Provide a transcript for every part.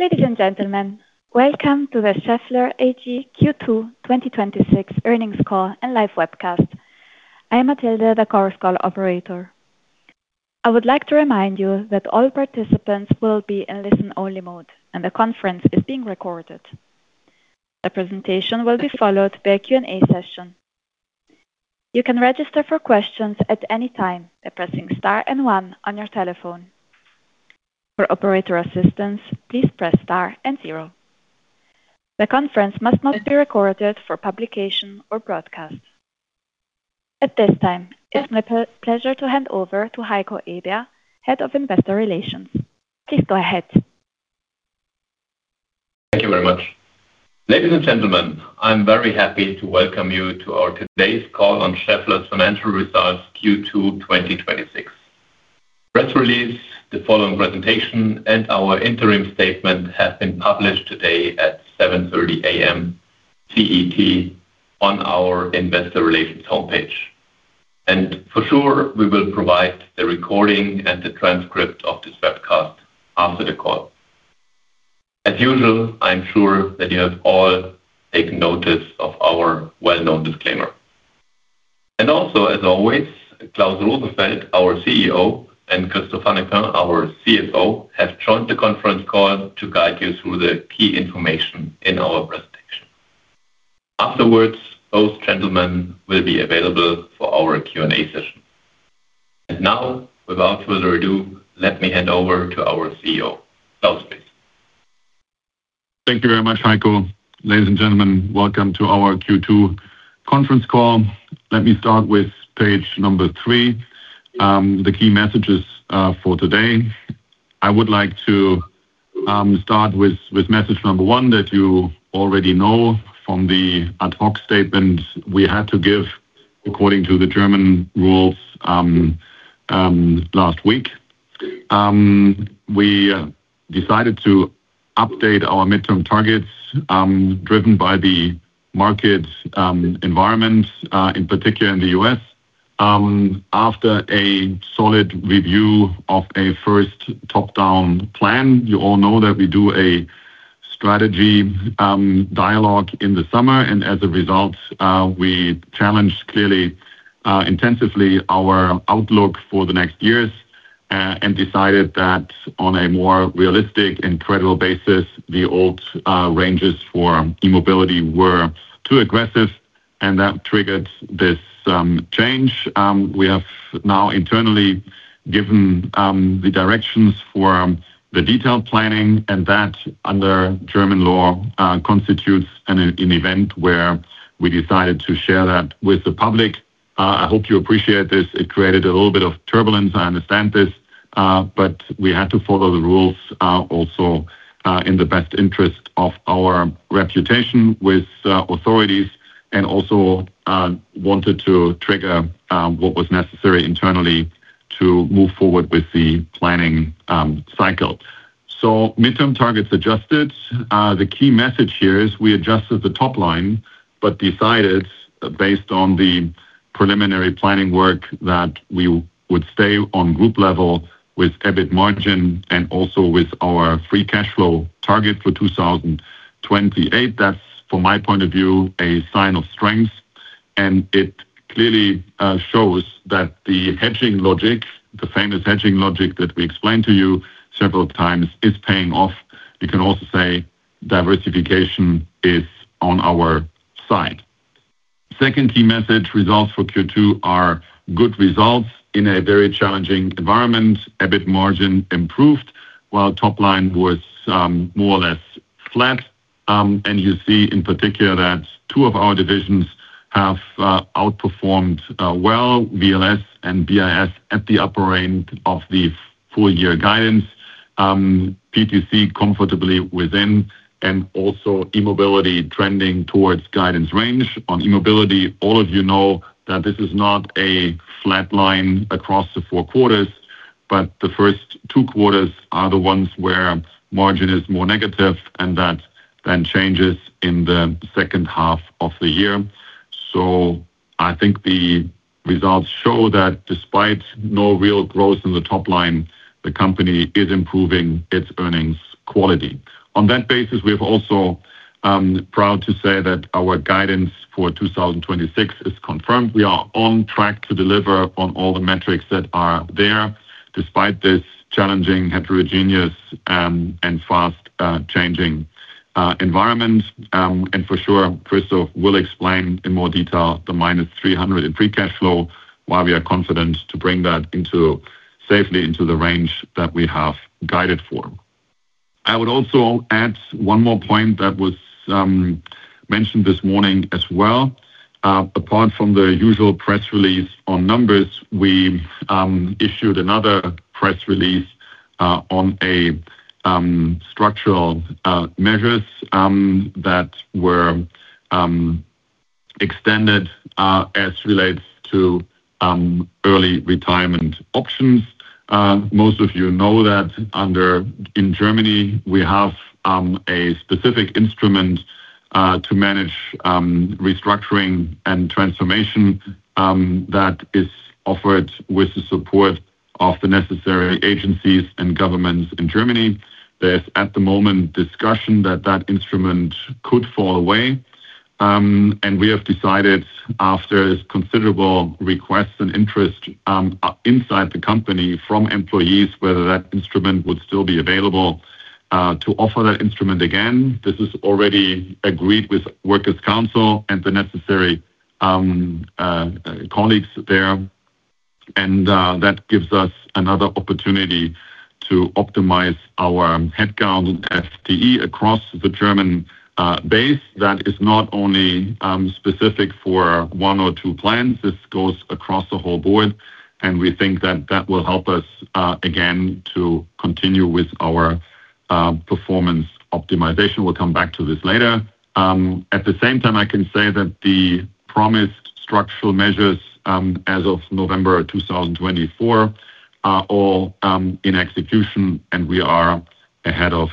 Ladies and gentlemen, welcome to the Schaeffler AG Q2 2026 Earnings Call and Live Webcast. I am Matilde, the conference call operator. I would like to remind you that all participants will be in listen-only mode, and the conference is being recorded. The presentation will be followed by a Q&A session. You can register for questions at any time by pressing star and one on your telephone. For operator assistance, please press star and zero. The conference must not be recorded for publication or broadcast. At this time, it's my pleasure to hand over to Heiko Eber, Head of Investor Relations. Please go ahead. Thank you very much. Ladies and gentlemen, I'm very happy to welcome you to our today's call on Schaeffler's Financial Results Q2 2026. Press release, the following presentation, and our interim statement have been published today at 7:30 A.M. CET on our investor relations homepage. For sure, we will provide the recording and the transcript of this webcast after the call. As usual, I'm sure that you have all taken notice of our well-known disclaimer. As always, Klaus Rosenfeld, our CEO, and Christophe Hannequin, our CFO, have joined the conference call to guide you through the key information in our presentation. Afterwards, both gentlemen will be available for our Q&A session. Now, without further ado, let me hand over to our CEO. Klaus, please. Thank you very much, Heiko. Ladies and gentlemen, welcome to our Q2 conference call. Let me start with page number three, the key messages for today. I would like to start with message number one that you already know from the ad hoc statement we had to give according to the German rules last week. We decided to update our midterm targets, driven by the market environment, in particular in the U.S., after a solid review of a first top-down plan. You all know that we do a strategy dialogue in the summer. As a result, we challenged clearly, intensively our outlook for the next years, and decided that on a more realistic and credible basis, the old ranges for E-Mobility were too aggressive, and that triggered this change. We have now internally given the directions for the detailed planning. That, under German law, constitutes an event where we decided to share that with the public. I hope you appreciate this. It created a little bit of turbulence, I understand this. We had to follow the rules, also in the best interest of our reputation with authorities and also wanted to trigger what was necessary internally to move forward with the planning cycle. Midterm targets adjusted. The key message here is we adjusted the top line but decided, based on the preliminary planning work, that we would stay on group level with EBIT margin and also with our free cash flow target for 2028. That's, from my point of view, a sign of strength. It clearly shows that the hedging logic, the famous hedging logic that we explained to you several times, is paying off. You can also say diversification is on our side. Second key message, results for Q2 are good results in a very challenging environment. EBIT margin improved while top line was more or less flat. You see in particular that two of our divisions have outperformed well, VLS and B&IS at the upper end of the full-year guidance. PTC comfortably within, and also E-Mobility trending towards guidance range. On E-Mobility, all of you know that this is not a flat line across the four quarters, but the first two quarters are the ones where margin is more negative, and that then changes in the second half of the year. I think the results show that despite no real growth in the top line, the company is improving its earnings quality. On that basis, we're also proud to say that our guidance for 2026 is confirmed. We are on track to deliver on all the metrics that are there, despite this challenging heterogeneous and fast-changing environment. Christophe will explain in more detail the -300 in free cash flow, why we are confident to bring that safely into the range that we have guided for. I would also add one more point that was mentioned this morning as well. Apart from the usual press release on numbers, we issued another press release on structural measures that were extended as relates to early retirement options. Most of you know that in Germany, we have a specific instrument to manage restructuring and transformation that is offered with the support of the necessary agencies and governments in Germany. There's, at the moment, discussion that that instrument could fall away. We have decided, after considerable requests and interest inside the company from employees, whether that instrument would still be available, to offer that instrument again. This is already agreed with workers council and the necessary colleagues there, that gives us another opportunity to optimize our headcount FTE across the German base. That is not only specific for one or two plants. This goes across the whole board, we think that that will help us, again, to continue with our performance optimization. We'll come back to this later. At the same time, I can say that the promised structural measures as of November 2024 are all in execution, we are ahead of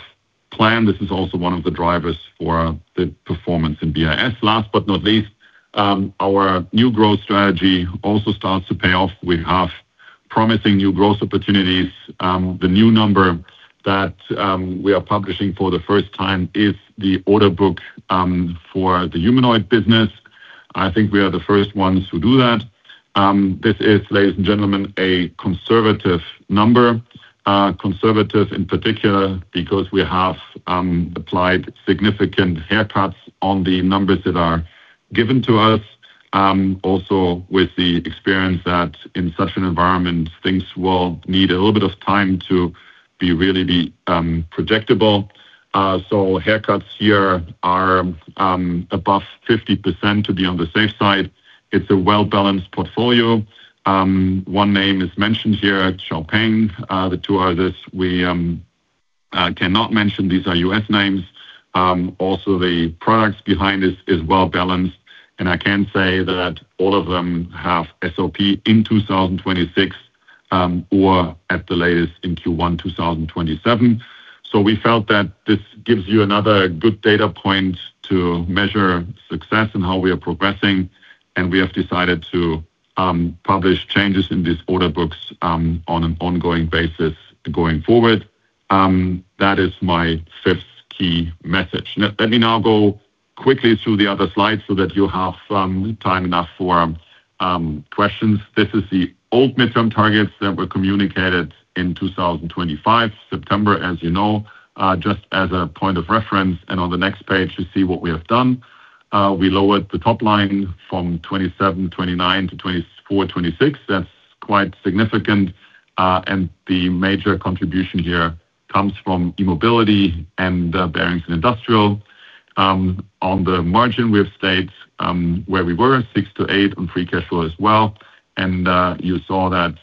plan. This is also one of the drivers for the performance in B&IS. Last but not least, our new growth strategy also starts to pay off. We have promising new growth opportunities. The new number that we are publishing for the first time is the order book for the humanoid business. I think we are the first ones to do that. This is, ladies and gentlemen, a conservative number. Conservative in particular because we have applied significant haircuts on the numbers that are given to us. Also, with the experience that in such an environment, things will need a little bit of time to really be projectable. Haircuts here are above 50% to be on the safe side. It's a well-balanced portfolio. One name is mentioned here, XPeng. The two others we cannot mention. These are U.S. names. Also, the products behind this is well-balanced, I can say that all of them have SOP in 2026, or at the latest in Q1 2027. We felt that this gives you another good data point to measure success and how we are progressing. We have decided to publish changes in these order books on an ongoing basis going forward. That is my fifth key message. Let me now go quickly through the other slides so that you have time enough for questions. This is the old midterm targets that were communicated in September 2025, as you know, just as a point of reference. On the next page, you see what we have done. We lowered the top line from 27%-29% to 24%-26%. That is quite significant. The major contribution here comes from E-Mobility and Bearings & Industrial. On the margin, we have stayed where we were, 6%-8% on free cash flow as well. You saw that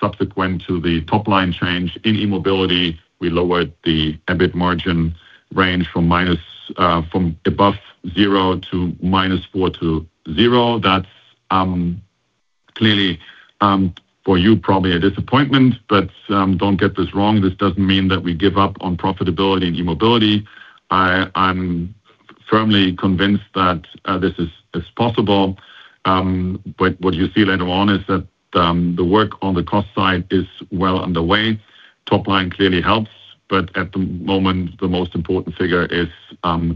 subsequent to the top-line change in E-Mobility, we lowered the EBIT margin range from above 0% to -4% to 0%. That is clearly for you, probably a disappointment. Do not get this wrong. This does not mean that we give up on profitability in E-Mobility. I am firmly convinced that this is possible. What you see later on is that the work on the cost side is well underway. Top line clearly helps, but at the moment, the most important figure is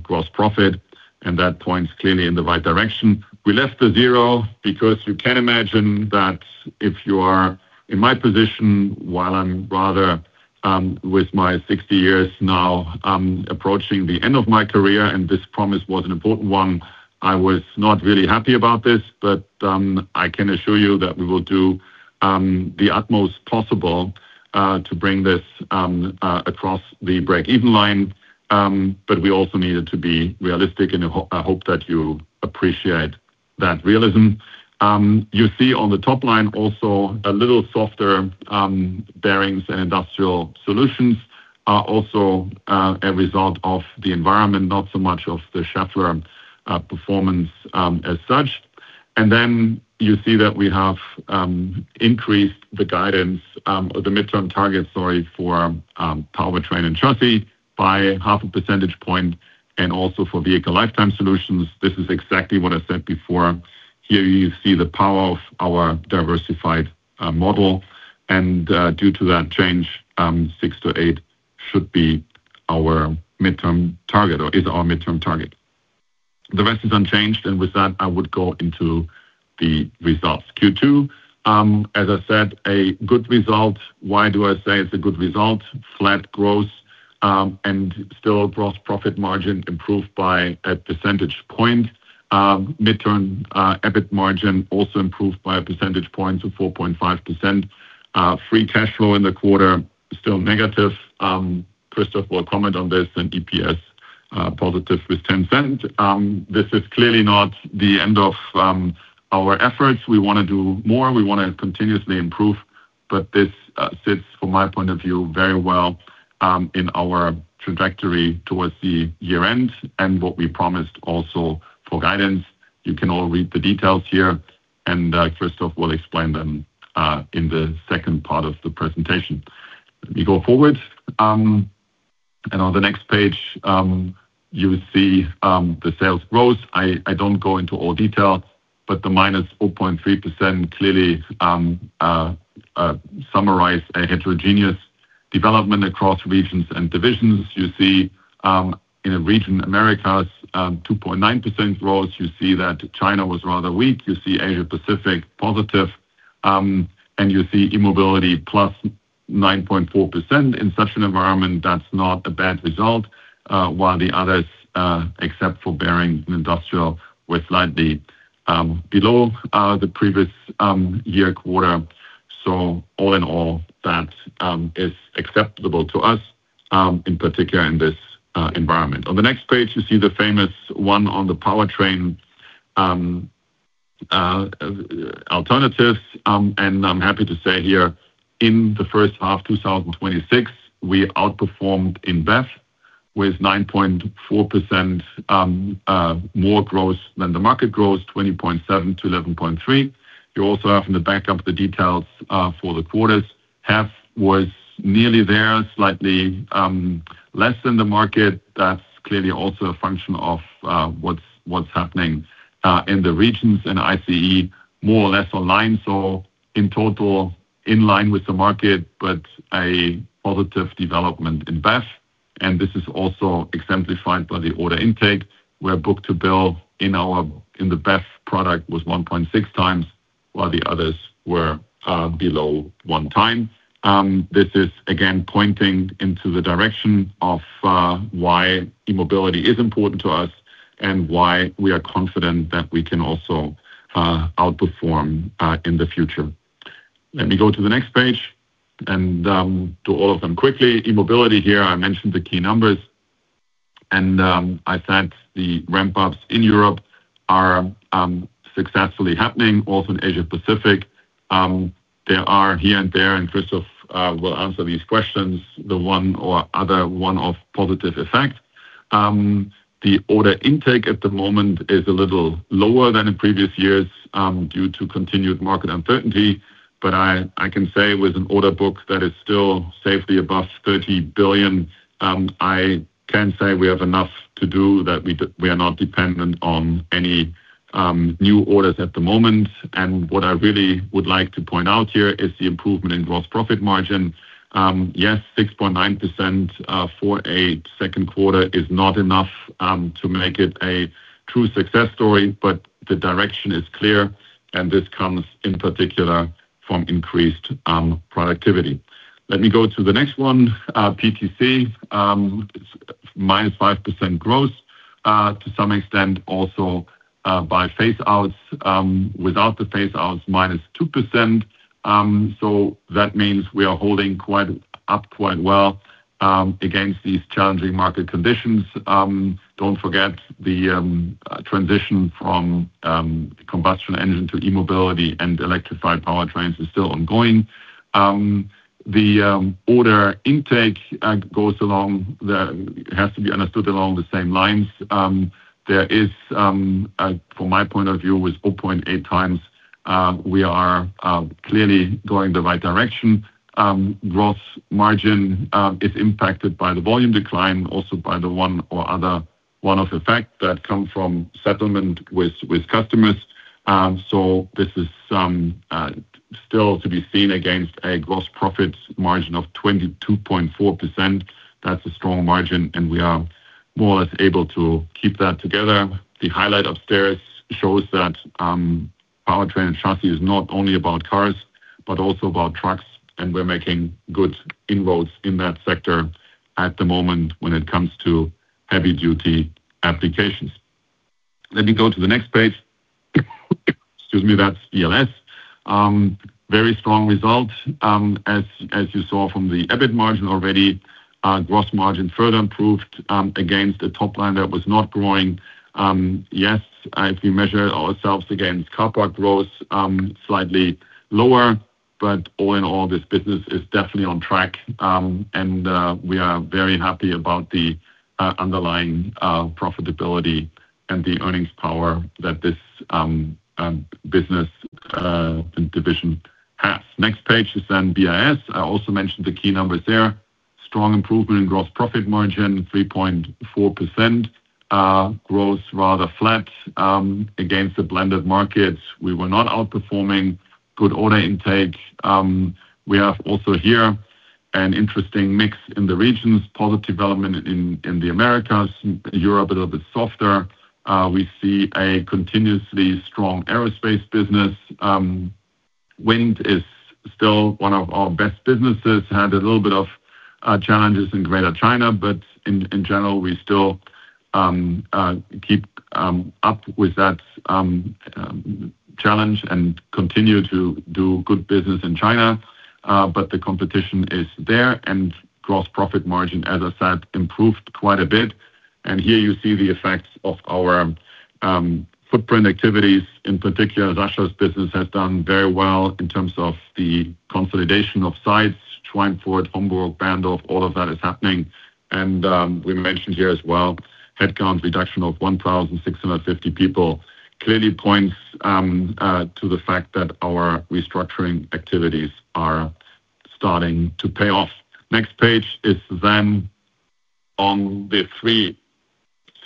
gross profit. That points clearly in the right direction. We left the zero because you can imagine that if you are in my position, while I am rather, with my 60 years now, approaching the end of my career, and this promise was an important one, I was not really happy about this. I can assure you that we will do the utmost possible to bring this across the break-even line. We also needed to be realistic. I hope that you appreciate that realism. You see on the top line also a little softer Bearings & Industrial Solutions are also a result of the environment, not so much of the Schaeffler performance as such. You see that we have increased the guidance or the midterm target, sorry, for Powertrain & Chassis by half a percentage point and also for Vehicle Lifetime Solutions. This is exactly what I said before. Here you see the power of our diversified model. Due to that change, 6%-8% should be our midterm target or is our midterm target. The rest is unchanged. With that, I would go into the results. Q2, as I said, a good result. Why do I say it is a good result? Flat growth. Still gross profit margin improved by a percentage point. Midterm EBIT margin also improved by a percentage point to 4.5%. Free cash flow in the quarter is still negative. Christophe will comment on this. EPS positive with EUR 0.10. This is clearly not the end of our efforts. We want to do more. We want to continuously improve. This sits, from my point of view, very well in our trajectory towards the year-end and what we promised also for guidance. You can all read the details here. Christophe will explain them in the second part of the presentation. Let me go forward. On the next page, you will see the sales growth. I do not go into all detail, but the -4.3% clearly summarize a heterogeneous development across regions and divisions. You see in the region Americas, 2.9% growth. You see that China was rather weak. You see Asia Pacific positive, and you see E-Mobility +9.4%. In such an environment, that's not a bad result. While the others, except for Bearing & Industrial, were slightly below the previous year quarter. All in all, that is acceptable to us, in particular in this environment. On the next page, you see the famous one on the powertrain alternatives. I'm happy to say here, in the first half 2026, we outperformed in BEV with 9.4% more growth than the market growth, 20.7 to 11.3. You also have in the backup the details for the quarters. HEV was nearly there, slightly less than the market. That's clearly also a function of what's happening in the regions, and ICE more or less align. In total, in line with the market, but a positive development in BEV. This is also exemplified by the order intake, where book to bill in the BEV product was 1.6x, while the others were below one time. This is again pointing into the direction of why E-Mobility is important to us and why we are confident that we can also outperform in the future. Let me go to the next page and do all of them quickly. E-Mobility here, I mentioned the key numbers, and I said the ramp-ups in Europe are successfully happening, also in Asia Pacific. There are here and there, and Christophe will answer these questions, the one or other one-off positive effect. The order intake at the moment is a little lower than in previous years due to continued market uncertainty. I can say with an order book that is still safely above 30 billion, I can say we have enough to do, that we are not dependent on any new orders at the moment. What I really would like to point out here is the improvement in gross profit margin. Yes, 6.9% for a second quarter is not enough to make it a true success story, but the direction is clear, and this comes in particular from increased productivity. Let me go to the next one, PTC. It's -5% growth, to some extent also by phase outs. Without the phase outs, -2%. That means we are holding up quite well against these challenging market conditions. Don't forget the transition from combustion engine to E-Mobility and electrified powertrains is still ongoing. The order intake has to be understood along the same lines. There is, from my point of view, with 0.8x, we are clearly going the right direction. Gross margin is impacted by the volume decline, also by the one or other one-off effect that come from settlement with customers. This is still to be seen against a gross profit margin of 22.4%. That's a strong margin, and we are more or less able to keep that together. The highlight upstairs shows that Powertrain & Chassis is not only about cars, but also about trucks, and we're making good inroads in that sector at the moment when it comes to heavy-duty applications. Let me go to the next page. Excuse me. That's VLS. Very strong result. As you saw from the EBIT margin already, gross margin further improved against the top line that was not growing. Yes, if we measure ourselves against car part growth, slightly lower, but all in all, this business is definitely on track. We are very happy about the underlying profitability and the earnings power that this business and division has. Next page is B&IS. I also mentioned the key numbers there. Strong improvement in gross profit margin, 3.4%. Growth, rather flat against the blended markets. We were not outperforming. Good order intake. We have also here an interesting mix in the regions. Positive development in the Americas. Europe, a little bit softer. We see a continuously strong aerospace business. Wind is still one of our best businesses. Had a little bit of challenges in Greater China. In general, we still keep up with that challenge and continue to do good business in China. The competition is there. Gross profit margin, as I said, improved quite a bit. Here you see the effects of our footprint activities. In particular, Russia's business has done very well in terms of the consolidation of sites. Schweinfurt, Hamburg, Berndorf, all of that is happening. We mentioned here as well, headcount reduction of 1,650 people. Clearly points to the fact that our restructuring activities are starting to pay off. Next page is on the three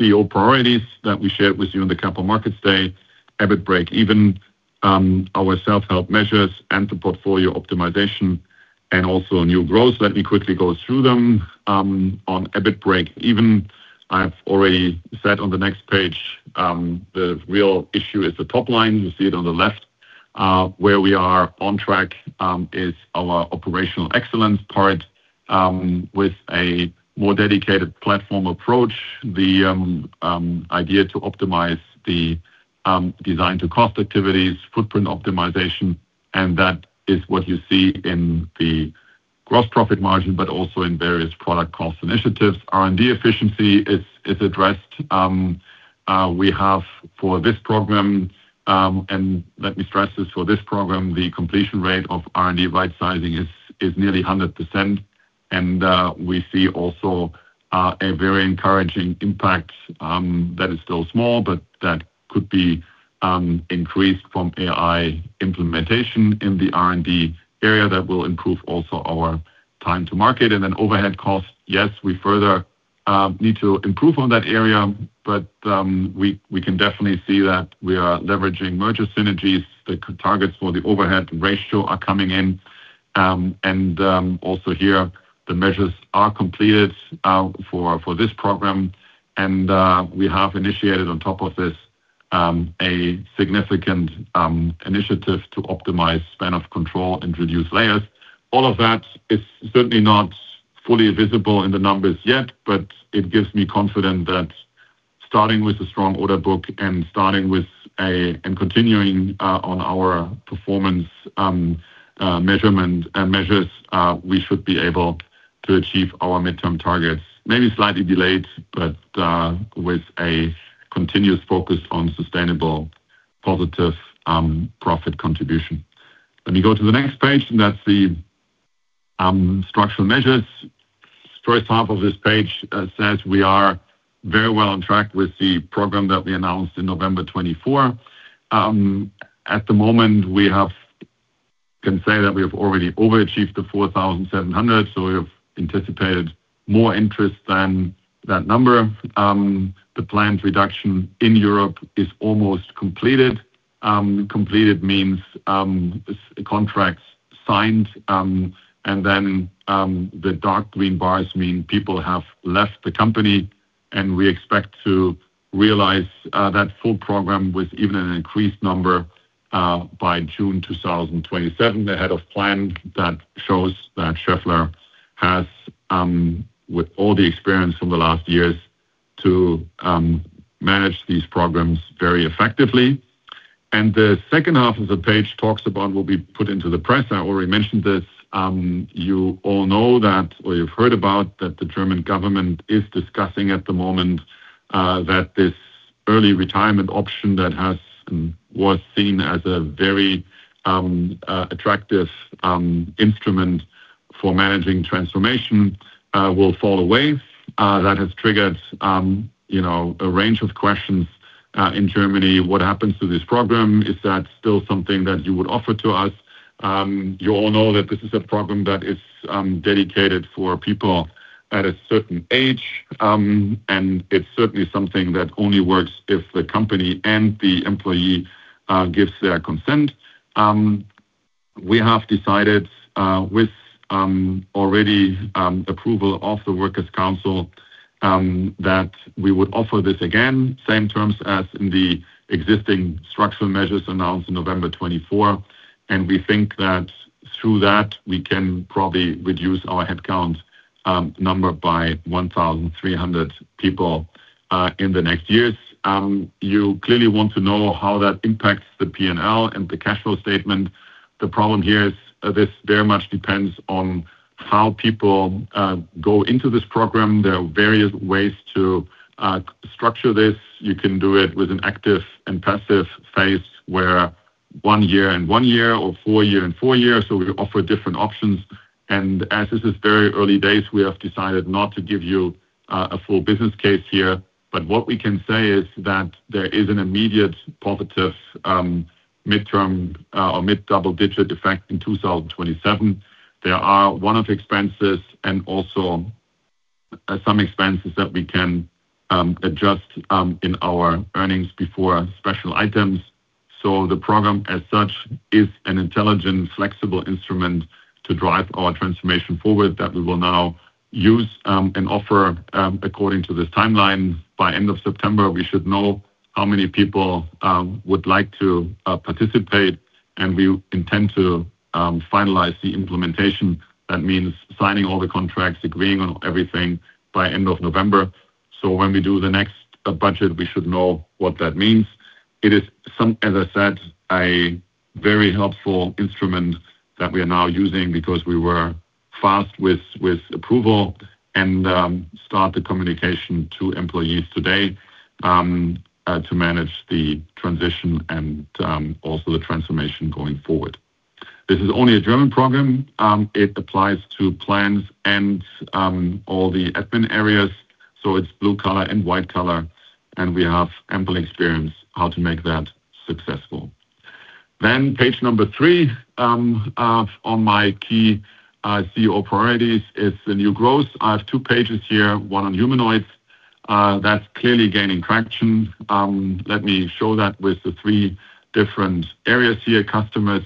CEO priorities that we shared with you in the Capital Markets Day: EBIT break-even, our self-help measures and the portfolio optimization, and also new growth. Let me quickly go through them. On EBIT break-even, I've already said on the next page, the real issue is the top line. You see it on the left. Where we are on track is our operational excellence part, with a more dedicated platform approach, the idea to optimize the design to cost activities, footprint optimization. That is what you see in the gross profit margin, but also in various product cost initiatives. R&D efficiency is addressed. We have for this program, let me stress this, for this program, the completion rate of R&D right-sizing is nearly 100%. We see also a very encouraging impact that is still small, but that could be increased from AI implementation in the R&D area that will improve also our time to market. Overhead costs, yes, we further need to improve on that area, but we can definitely see that we are leveraging merger synergies. The targets for the overhead ratio are coming in. Also here, the measures are completed for this program. We have initiated on top of this, a significant initiative to optimize span of control and reduce layers. All of that is certainly not fully visible in the numbers yet. It gives me confidence that starting with a strong order book and continuing on our performance measurement and measures, we should be able to achieve our midterm targets, maybe slightly delayed, but with a continuous focus on sustainable positive profit contribution. When we go to the next page, that's the structural measures. First half of this page says we are very well on track with the program that we announced in November 2024. At the moment, we can say that we have already overachieved the 4,700. We have anticipated more interest than that number. The planned reduction in Europe is almost completed. Completed means contracts signed. The dark green bars mean people have left the company. We expect to realize that full program with even an increased number by June 2027 ahead of plan. That shows that Schaeffler has, with all the experience from the last years, to manage these programs very effectively. The second half of the page talks about what we put into the press. I already mentioned this. You all know that or you've heard about that the German government is discussing at the moment that this early retirement option that was seen as a very attractive instrument for managing transformation will fall away. That has triggered a range of questions in Germany. What happens to this program? Is that still something that you would offer to us? You all know that this is a program that is dedicated for people at a certain age, and it's certainly something that only works if the company and the employee gives their consent. We have decided with already approval of the workers' council, that we would offer this again, same terms as in the existing structural measures announced in November 2024. We think that through that, we can probably reduce our headcount number by 1,300 people in the next years. You clearly want to know how that impacts the P&L and the cash flow statement. The problem here is this very much depends on how people go into this program. There are various ways to structure this. You can do it with an active and passive phase where one year and one year or four year and four years, so we offer different options. As this is very early days, we have decided not to give you a full business case here. What we can say is that there is an immediate positive midterm or mid-double-digit effect in 2027. There are one-off expenses and also some expenses that we can adjust in our earnings before special items. The program as such is an intelligent, flexible instrument to drive our transformation forward that we will now use and offer according to this timeline. By end of September, we should know how many people would like to participate, and we intend to finalize the implementation, that means signing all the contracts, agreeing on everything by end of November. When we do the next budget, we should know what that means. It is, as I said, a very helpful instrument that we are now using because we were fast with approval and start the communication to employees today to manage the transition and also the transformation going forward. This is only a German program. It applies to plants and all the admin areas, so it's blue-collar and white-collar, and we have ample experience how to make that successful. Page number three on my key CEO priorities is the new growth. I have two pages here, one on humanoids. That's clearly gaining traction. Let me show that with the three different areas here. Customers,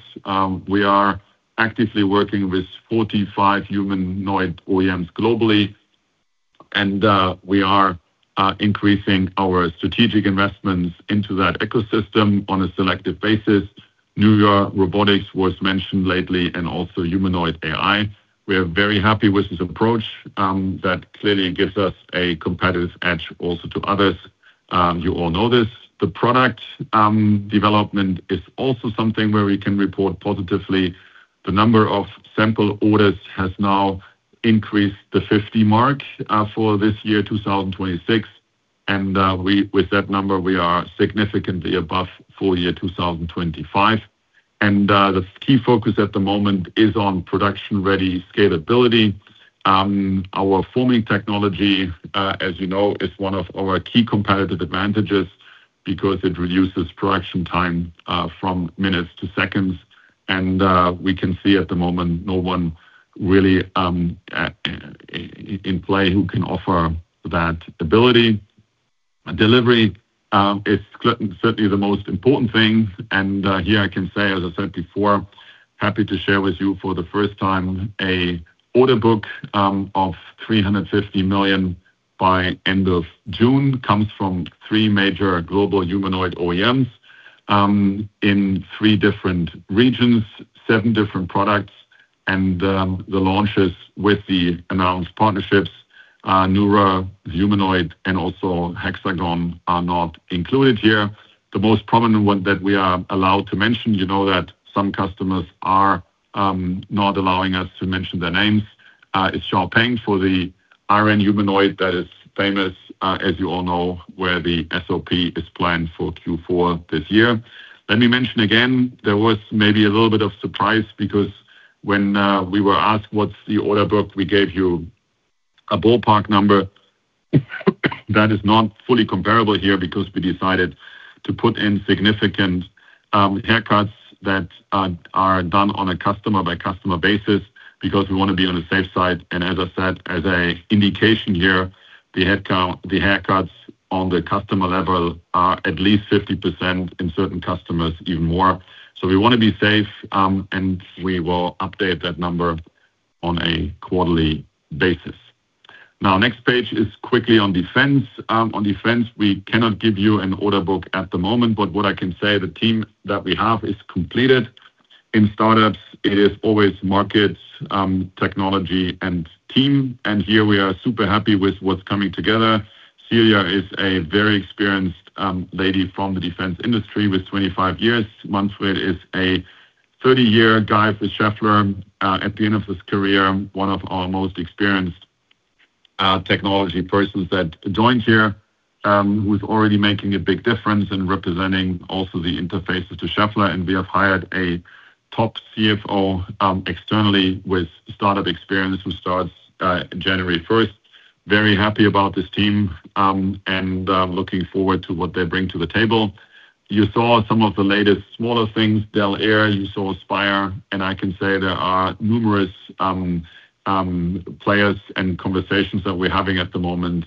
we are actively working with 45 humanoid OEMs globally, and we are increasing our strategic investments into that ecosystem on a selective basis. NEURA Robotics was mentioned lately and also Humanoid AI. We are very happy with this approach. That clearly gives us a competitive edge also to others. You all know this. The product development is also something where we can report positively. The number of sample orders has now increased the 50 mark for this year, 2026. With that number, we are significantly above full year 2025. The key focus at the moment is on production-ready scalability. Our forming technology, as you know, is one of our key competitive advantages because it reduces production time from minutes to seconds. We can see at the moment no one really in play who can offer that ability. Delivery is certainly the most important thing. Here I can say, as I said before, happy to share with you for the first time an order book of 350 million by end of June, comes from three major global humanoid OEMs in three different regions, seven different products. The launches with the announced partnerships, NEURA, Humanoid AI and also Hexagon, are not included here. The most prominent one that we are allowed to mention, you know that some customers are not allowing us to mention their names, is XPeng for the RN humanoid that is famous, as you all know, where the SOP is planned for Q4 this year. Let me mention again, there was maybe a little bit of surprise because when we were asked what's the order book, we gave you a ballpark number that is not fully comparable here because we decided to put in significant haircuts that are done on a customer-by-customer basis because we want to be on the safe side. As I said, as an indication here, the haircuts on the customer level are at least 50%, in certain customers, even more. We want to be safe, and we will update that number on a quarterly basis. Now, next page is quickly on defense. On defense, we cannot give you an order book at the moment, but what I can say, the team that we have is completed. In startups, it is always markets, technology, and team. Here we are super happy with what's coming together. Celia is a very experienced lady from the defense industry with 25 years. Andreas Schick is a 30-year guy for Schaeffler, at the end of his career, one of our most experienced technology persons that joined here, who's already making a big difference in representing also the interfaces to Schaeffler. We have hired a top CFO externally with startup experience, who starts January 1st. Very happy about this team and looking forward to what they bring to the table. You saw some of the latest smaller things, Delair, you saw Spire. I can say there are numerous players and conversations that we're having at the moment,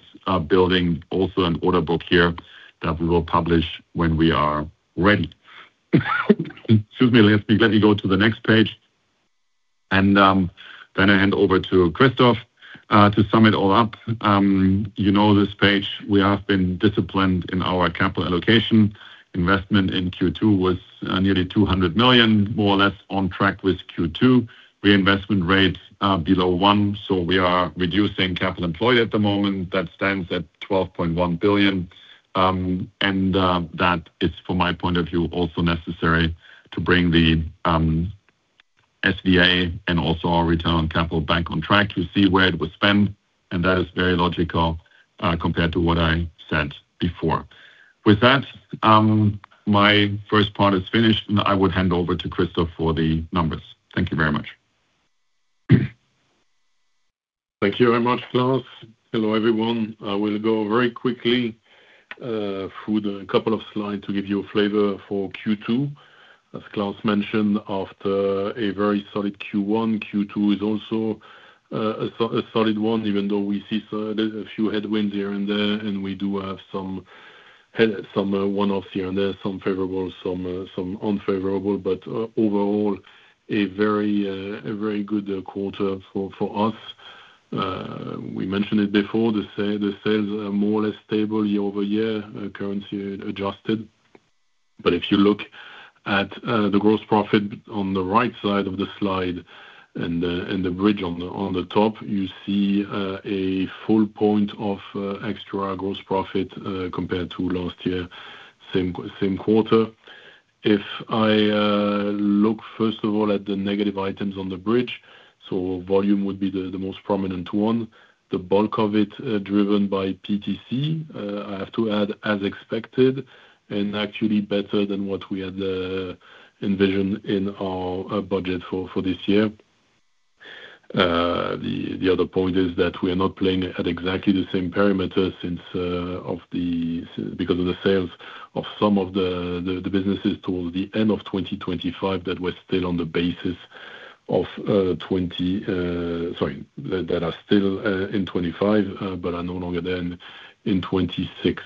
building also an order book here that we will publish when we are ready. Excuse me. Let me go to the next page and then hand over to Christophe to sum it all up. You know this page, we have been disciplined in our capital allocation. Investment in Q2 was nearly 200 million, more or less on track with Q2. Reinvestment rate below one, so we are reducing capital employed at the moment. That stands at 12.1 billion. That is, from my point of view, also necessary to bring the SVA and also our return on capital bank on track. You see where it was spent, that is very logical compared to what I said before. With that, my first part is finished, and I would hand over to Christophe for the numbers. Thank you very much. Thank you very much, Klaus. Hello, everyone. I will go very quickly through the couple of slides to give you a flavor for Q2. As Klaus mentioned, after a very solid Q1, Q2 is also a solid one, even though we see there's a few headwinds here and there, and we do have some one-offs here and there. Some favorable, some unfavorable. Overall, a very good quarter for us. We mentioned it before, the sales are more or less stable year-over-year, currency adjusted. If you look at the gross profit on the right side of the slide and the bridge on the top, you see a full point of extra gross profit compared to last year, same quarter. If I look first of all at the negative items on the bridge. Volume would be the most prominent one. The bulk of it driven by PTC, I have to add, as expected, and actually better than what we had envisioned in our budget for this year. The other point is that we are not playing at exactly the same parameter because of the sales of some of the businesses towards the end of 2025 that were still on the basis of. Sorry, that are still in 2025, but are no longer there in 2026.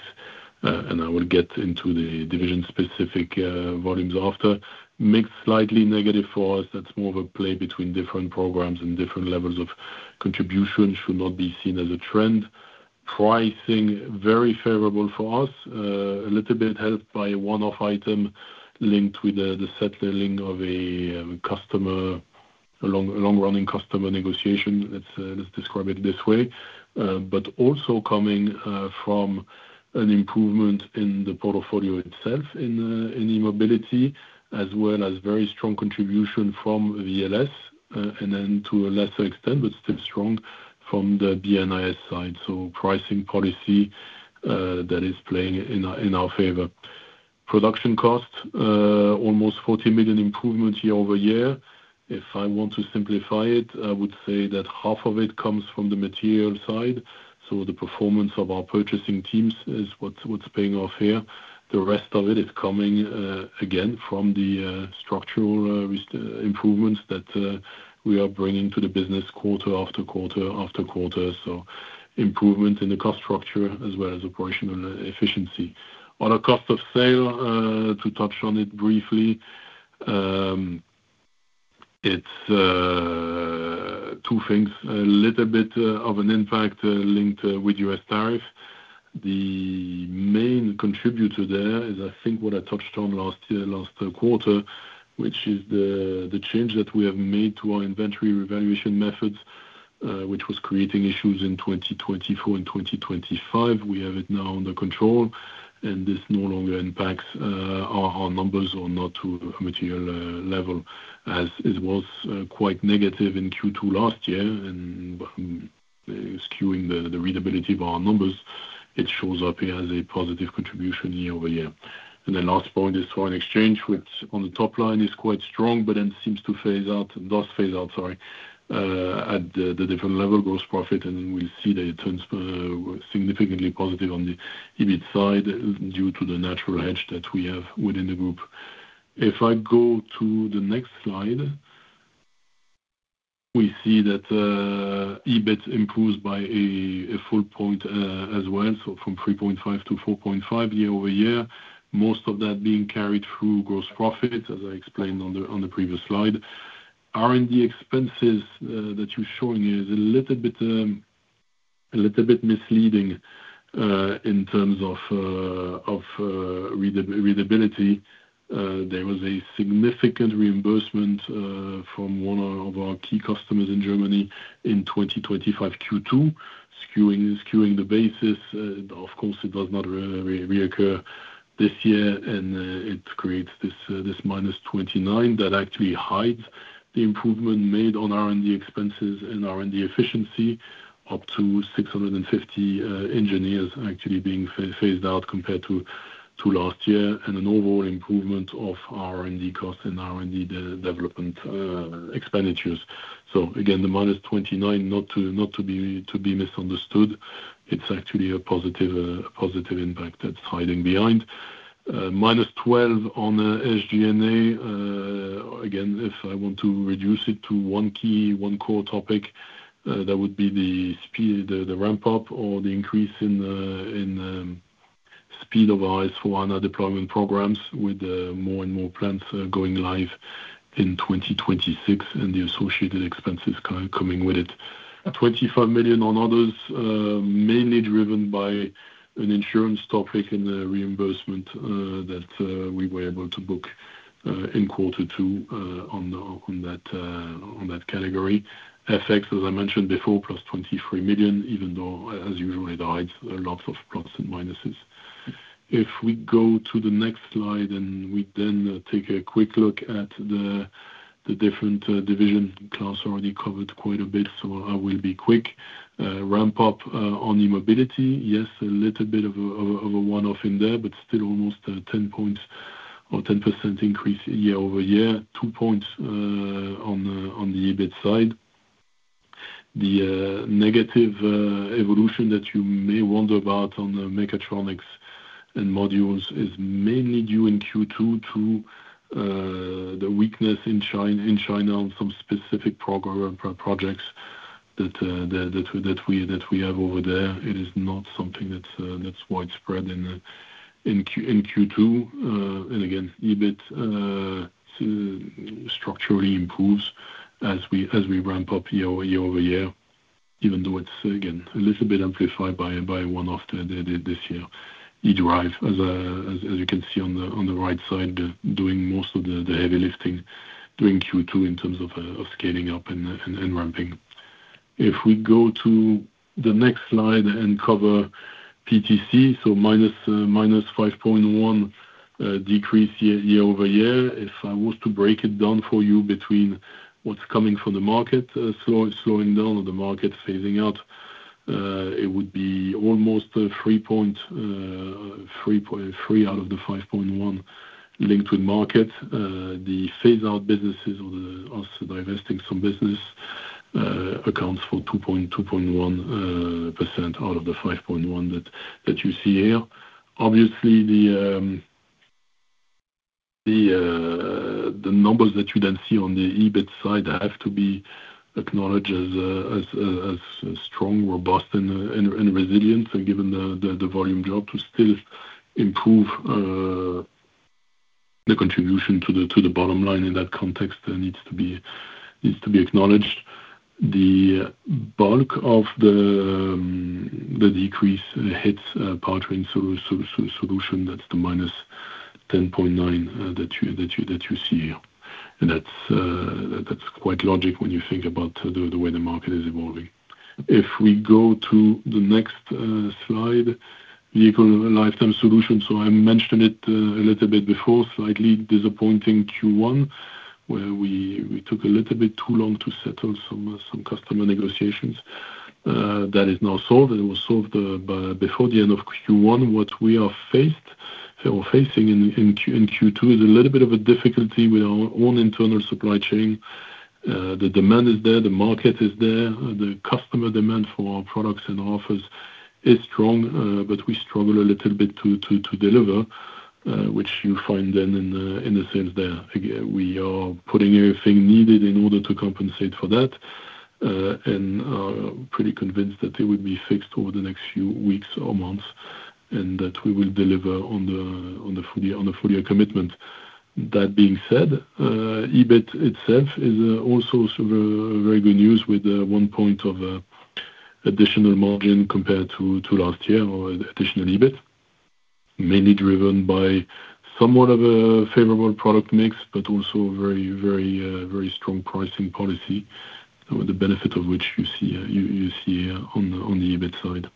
I will get into the division specific volumes after. Mix slightly negative for us. That's more of a play between different programs and different levels of contribution, should not be seen as a trend. Pricing, very favorable for us. A little bit helped by a one-off item linked with the settling of a long-running customer negotiation. Let's describe it this way. Also coming from an improvement in the portfolio itself in E-Mobility as well as very strong contribution from VLS, and then to a lesser extent, but still strong from the B&IS side. Pricing policy that is playing in our favor. Production cost, almost 40 million improvement year-over-year. If I want to simplify it, I would say that half of it comes from the material side. The performance of our purchasing teams is what's paying off here. The rest of it is coming again from the structural risk improvements that we are bringing to the business quarter-after-quarter. Improvement in the cost structure as well as operational efficiency. On a cost of sale, to touch on it briefly. It's two things. A little bit of an impact linked with U.S. tariff. The main contributor there is, I think, what I touched on last year, last quarter, which is the change that we have made to our inventory revaluation methods, which was creating issues in 2024 and 2025. We have it now under control, and this no longer impacts our numbers or not to a material level as it was quite negative in Q2 last year and skewing the readability of our numbers. It shows up here as a positive contribution year-over-year. The last point is foreign exchange, which on the top line is quite strong but then seems to phase out and does phase out, sorry, at the different level gross profit. We see that it turns significantly positive on the EBIT side due to the natural hedge that we have within the group. If I go to the next slide, we see that EBIT improves by a full point as well. From 3.5 to 4.5 year-over-year. Most of that being carried through gross profit, as I explained on the previous slide. R&D expenses that you're showing here is a little bit misleading in terms of readability. There was a significant reimbursement from one of our key customers in Germany in 2025 Q2, skewing the basis. Of course, it does not reoccur this year, and it creates this -29 that actually hides the improvement made on R&D expenses and R&D efficiency, up to 650 engineers actually being phased out compared to last year, and an overall improvement of R&D cost and R&D development expenditures. Again, the -29, not to be misunderstood. It's actually a positive impact that's hiding behind. -12 on SG&A. Again, if I want to reduce it to one key, one core topic, that would be the ramp up or the increase in speed of our SAP S/4HANA deployment programs with more and more plants going live in 2026 and the associated expenses coming with it. 25 million on others, mainly driven by an insurance topic and a reimbursement that we were able to book in quarter two on that category. FX, as I mentioned before, +23 million, even though as usually hides lots of plus and minuses. If we go to the next slide and we then take a quick look at the different division. Klaus already covered quite a bit, so I will be quick. Ramp up on E-Mobility. Yes, a little bit of a one-off in there, but still almost 10 points or 10% increase year-over-year. 2 points on the EBIT side. The negative evolution that you may wonder about on the mechatronics and modules is mainly due in Q2 to the weakness in China on some specific program projects that we have over there. It is not something that's widespread in Q2. Again, EBIT structurally improves as we ramp up year-over-year, even though it's again, a little bit amplified by one off this year. eDrive, as you can see on the right side, doing most of the heavy lifting during Q2 in terms of scaling up and ramping. If we go to the next slide and cover PTC, -5.1 decrease year-over-year. If I was to break it down for you between what's coming from the market, slowing down or the market phasing out, it would be almost three out of the 5.1 linked with market. The phase-out businesses or us divesting some business accounts for 2.1% out of the 5.1% that you see here. Obviously, the numbers that you then see on the EBIT side have to be acknowledged as strong, robust, and resilient. Given the volume drop to still improve the contribution to the bottom line in that context needs to be acknowledged. The bulk of the decrease hits powertrain solution. That's the -10.9% that you see here. That's quite logical when you think about the way the market is evolving. If we go to the next slide, Vehicle Lifetime Solutions. I mentioned it a little bit before, slightly disappointing Q1 where we took a little bit too long to settle some customer negotiations. That is now solved. It was solved before the end of Q1. What we are facing in Q2 is a little bit of a difficulty with our own internal supply chain. The demand is there, the market is there, the customer demand for our products and offers is strong, but we struggle a little bit to deliver, which you find then in the sales there. Again, we are putting everything needed in order to compensate for that, and are pretty convinced that it will be fixed over the next few weeks or months, and that we will deliver on the full year commitment. That being said, EBIT itself is also very good news with one point of additional margin compared to last year or additional EBIT, mainly driven by somewhat of a favorable product mix, but also very strong pricing policy. The benefit of which you see here on the EBIT side.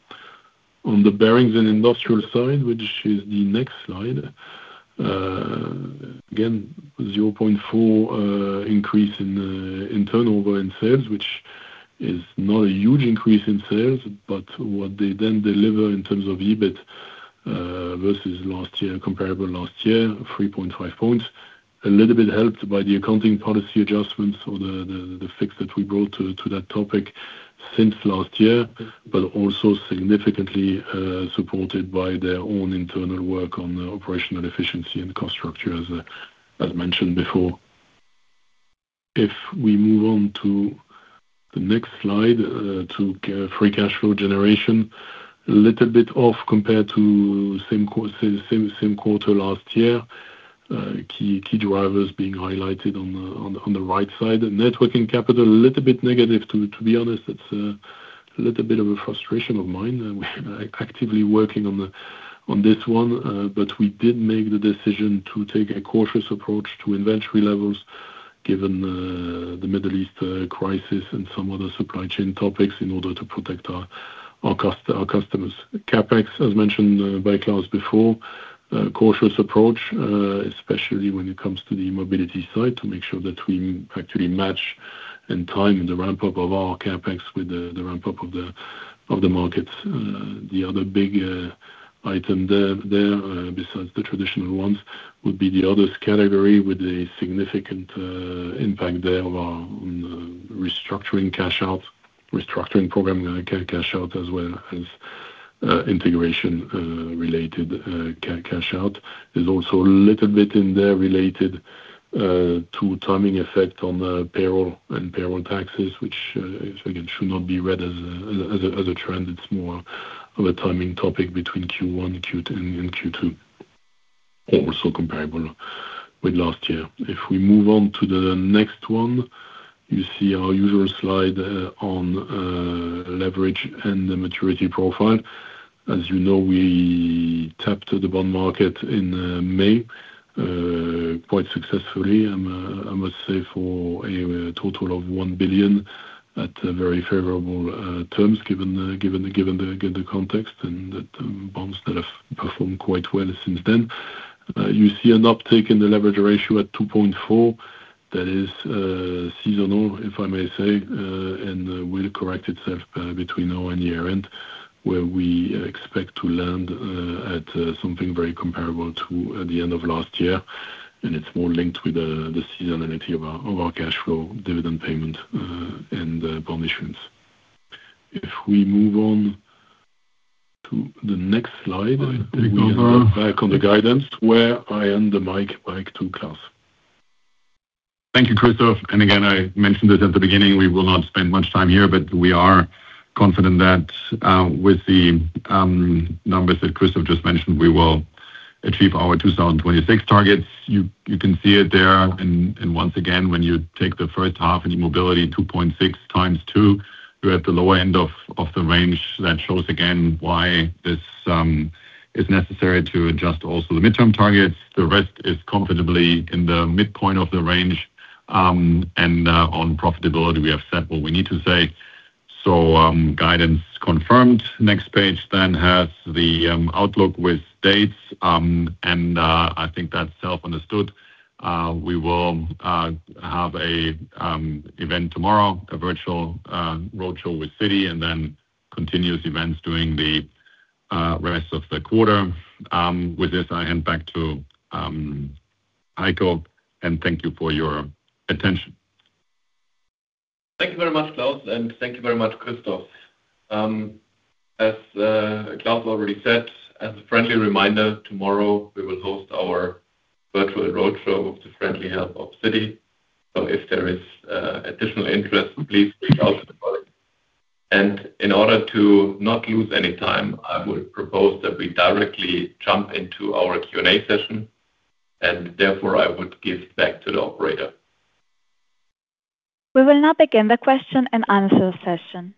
On the Bearings & Industrial Solutions side, which is the next slide. Again, 0.4% increase in turnover in sales, which is not a huge increase in sales, but what they then deliver in terms of EBIT versus comparable last year, 3.5 points. A little bit helped by the accounting policy adjustments or the fix that we brought to that topic since last year, but also significantly supported by their own internal work on the operational efficiency and cost structure as mentioned before. If we move on to the next slide, to free cash flow generation. A little bit off compared to same quarter last year. Key drivers being highlighted on the right side. Networking capital, a little bit negative to be honest. It's a little bit of a frustration of mine. We're actively working on this one. We did make the decision to take a cautious approach to inventory levels given the Middle East crisis and some other supply chain topics in order to protect our customers. CapEx, as mentioned by Klaus before, cautious approach, especially when it comes to the E-Mobility side, to make sure that we actually match and time the ramp-up of our CapEx with the ramp-up of the markets. The other big item there, besides the traditional ones, would be the others category with a significant impact there on restructuring cash out, restructuring program cash out, as well as integration related cash out. There's also a little bit in there related to timing effect on payroll and payroll taxes, which again, should not be read as a trend. It's more of a timing topic between Q1 and Q2. Also comparable with last year. You see our usual slide on leverage and the maturity profile. As you know, we tapped the bond market in May, quite successfully, I must say, for a total of 1 billion at very favorable terms given the context. The bonds that have performed quite well since then. You see an uptick in the leverage ratio at 2.4. That is seasonal, if I may say, and will correct itself between now and year-end, where we expect to land at something very comparable to the end of last year. It's more linked with the seasonality of our cash flow dividend payment and bond issuance. If we move on to the next slide. I take over. Back on the guidance, where I hand the mic back to Klaus. Thank you, Christophe. Again, I mentioned it at the beginning, we will not spend much time here, but we are confident that with the numbers that Christophe just mentioned, we will achieve our 2026 targets. You can see it there. Once again, when you take the first half in E-Mobility, 2.6x two, you're at the lower end of the range. That shows again why it's necessary to adjust also the midterm targets. The rest is comfortably in the midpoint of the range. On profitability, we have said what we need to say. Guidance confirmed. Next page has the outlook with dates. I think that's self-understood. We will have an event tomorrow, a virtual roadshow with Citi. Continuous events during the rest of the quarter. With this, I hand back to Heiko. Thank you for your attention. Thank you very much, Klaus, and thank you very much, Christophe. As Klaus already said, as a friendly reminder, tomorrow we will host our virtual roadshow with the friendly help of Citi. If there is additional interest, please reach out to Klaus. In order to not lose any time, I would propose that we directly jump into our Q&A session, and therefore, I would give back to the operator. We will now begin the question and answer session.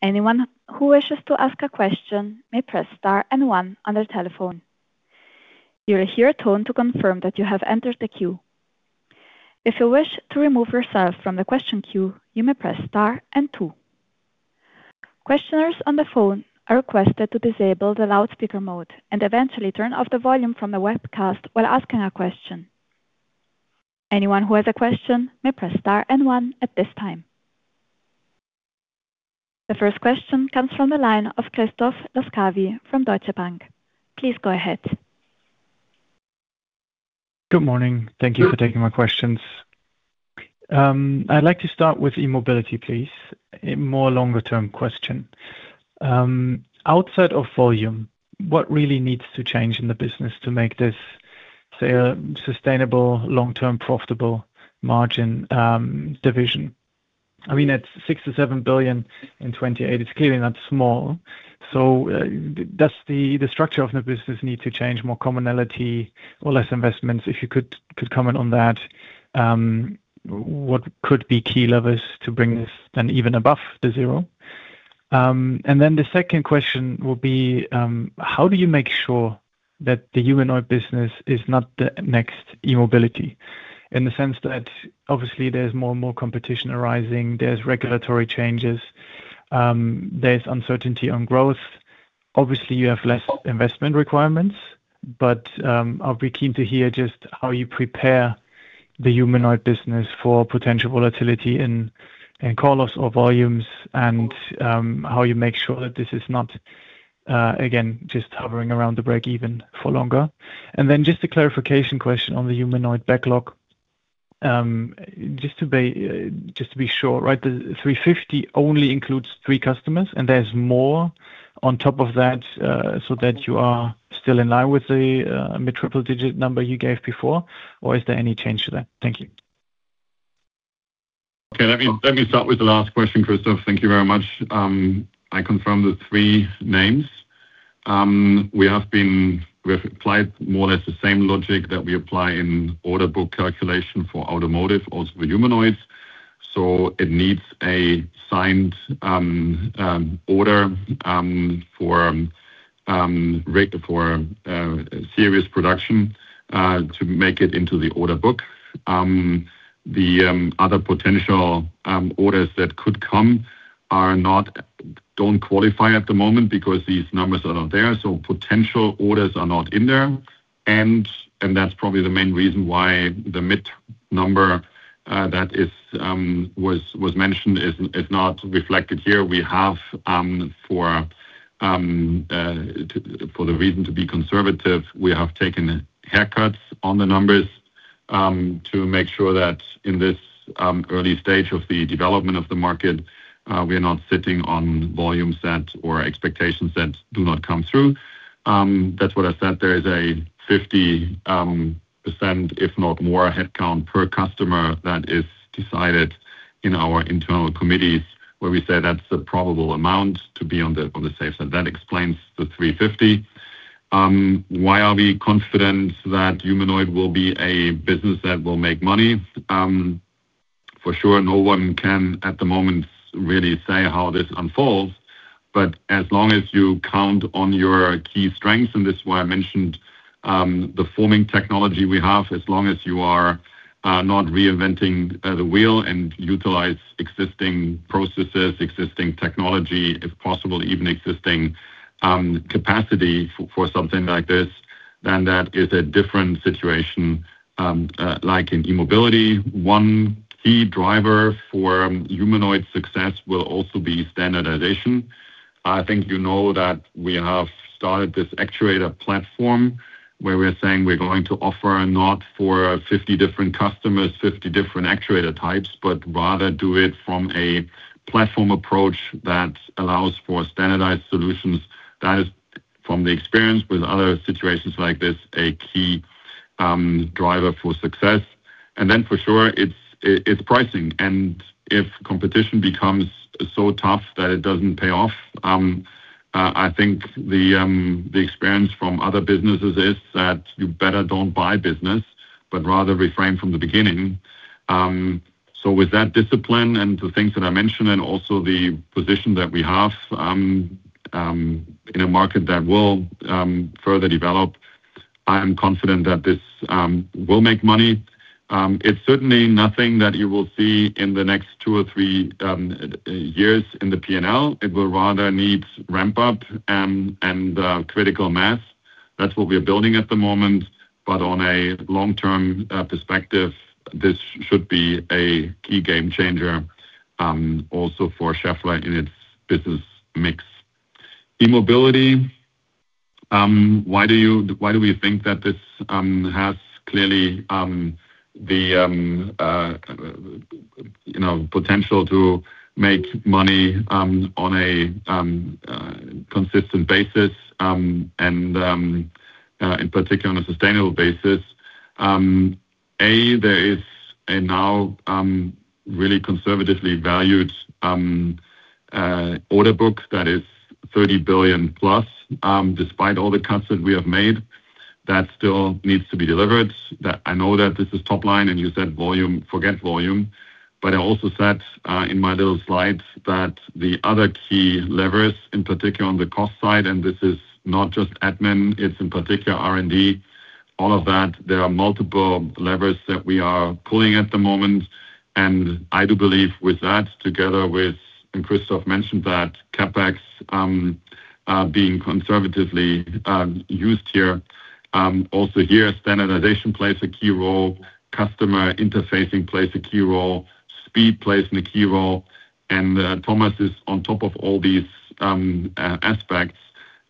Anyone who wishes to ask a question may press star and one on their telephone. You will hear a tone to confirm that you have entered the queue. If you wish to remove yourself from the question queue, you may press star and two. Questioners on the phone are requested to disable the loudspeaker mode, and eventually turn off the volume from the webcast while asking a question. Anyone who has a question may press star and one at this time. The first question comes from the line of Christoph Laskawi from Deutsche Bank. Please go ahead. Good morning. Thank you for taking my questions. I'd like to start with E-Mobility, please. A more longer-term question. Outside of volume, what really needs to change in the business to make this a sustainable, long-term, profitable margin division? It's 67 billion in 2028, it's clearly not small. Does the structure of the business need to change, more commonality or less investments? If you could comment on that, what could be key levers to bring this then even above the zero? Then the second question will be, how do you make sure that the humanoid business is not the next E-Mobility? In the sense that obviously there's more and more competition arising, there's regulatory changes, there's uncertainty on growth. Obviously, you have less investment requirements, but I'll be keen to hear just how you prepare the humanoid business for potential volatility in call-offs or volumes and how you make sure that this is not, again, just hovering around the break even for longer. Then just a clarification question on the humanoid backlog. Just to be sure, the 350 only includes three customers, and there's more on top of that, so that you are still in line with the mid-triple digit number you gave before, or is there any change to that? Thank you. Okay. Let me start with the last question, Christoph. Thank you very much. I confirm the three names. We have applied more or less the same logic that we apply in order book calculation for automotive, also for humanoids. It needs a signed order for serious production to make it into the order book. The other potential orders that could come don't qualify at the moment because these numbers are not there, potential orders are not in there, and that's probably the main reason why the mid number that was mentioned is not reflected here. For the reason to be conservative, we have taken haircuts on the numbers to make sure that in this early stage of the development of the market, we are not sitting on volumes that or expectations that do not come through. That's what I said, there is a 50%, if not more, headcount per customer that is decided in our internal committees where we say that's the probable amount to be on the safe side. That explains the 350. Why are we confident that humanoid will be a business that will make money? For sure, no one can, at the moment, really say how this unfolds, but as long as you count on your key strengths, and this is why I mentioned the forming technology we have, as long as you are not reinventing the wheel and utilize existing processes, existing technology, if possible, even existing capacity for something like this, then that is a different situation. Like in E-Mobility, one key driver for humanoid success will also be standardization. I think you know that we have started this actuator platform where we're saying we're going to offer not for 50 different customers, 50 different actuator types, but rather do it from a platform approach that allows for standardized solutions. That is, from the experience with other situations like this, a key driver for success. Then for sure it's pricing, and if competition becomes so tough that it doesn't pay off, I think the experience from other businesses is that you better don't buy business rather refrain from the beginning. With that discipline and the things that I mentioned, and also the position that we have in a market that will further develop, I am confident that this will make money. It's certainly nothing that you will see in the next two or three years in the P&L. It will rather need ramp up and critical mass. That's what we're building at the moment. On a long-term perspective, this should be a key game changer, also for Schaeffler in its business mix. E-Mobility, why do we think that this has clearly the potential to make money on a consistent basis, and in particular on a sustainable basis? A, there is a now really conservatively valued order book that is 30 billion+, despite all the cuts that we have made, that still needs to be delivered. I know that this is top line and you said volume, forget volume, but I also said in my little slides that the other key levers, in particular on the cost side, and this is not just admin, it's in particular R&D, all of that. There are multiple levers that we are pulling at the moment. I do believe with that, together with, and Christophe mentioned that, CapEx being conservatively used here. Also here, standardization plays a key role, customer interfacing plays a key role, speed plays a key role, and Thomas is on top of all these aspects.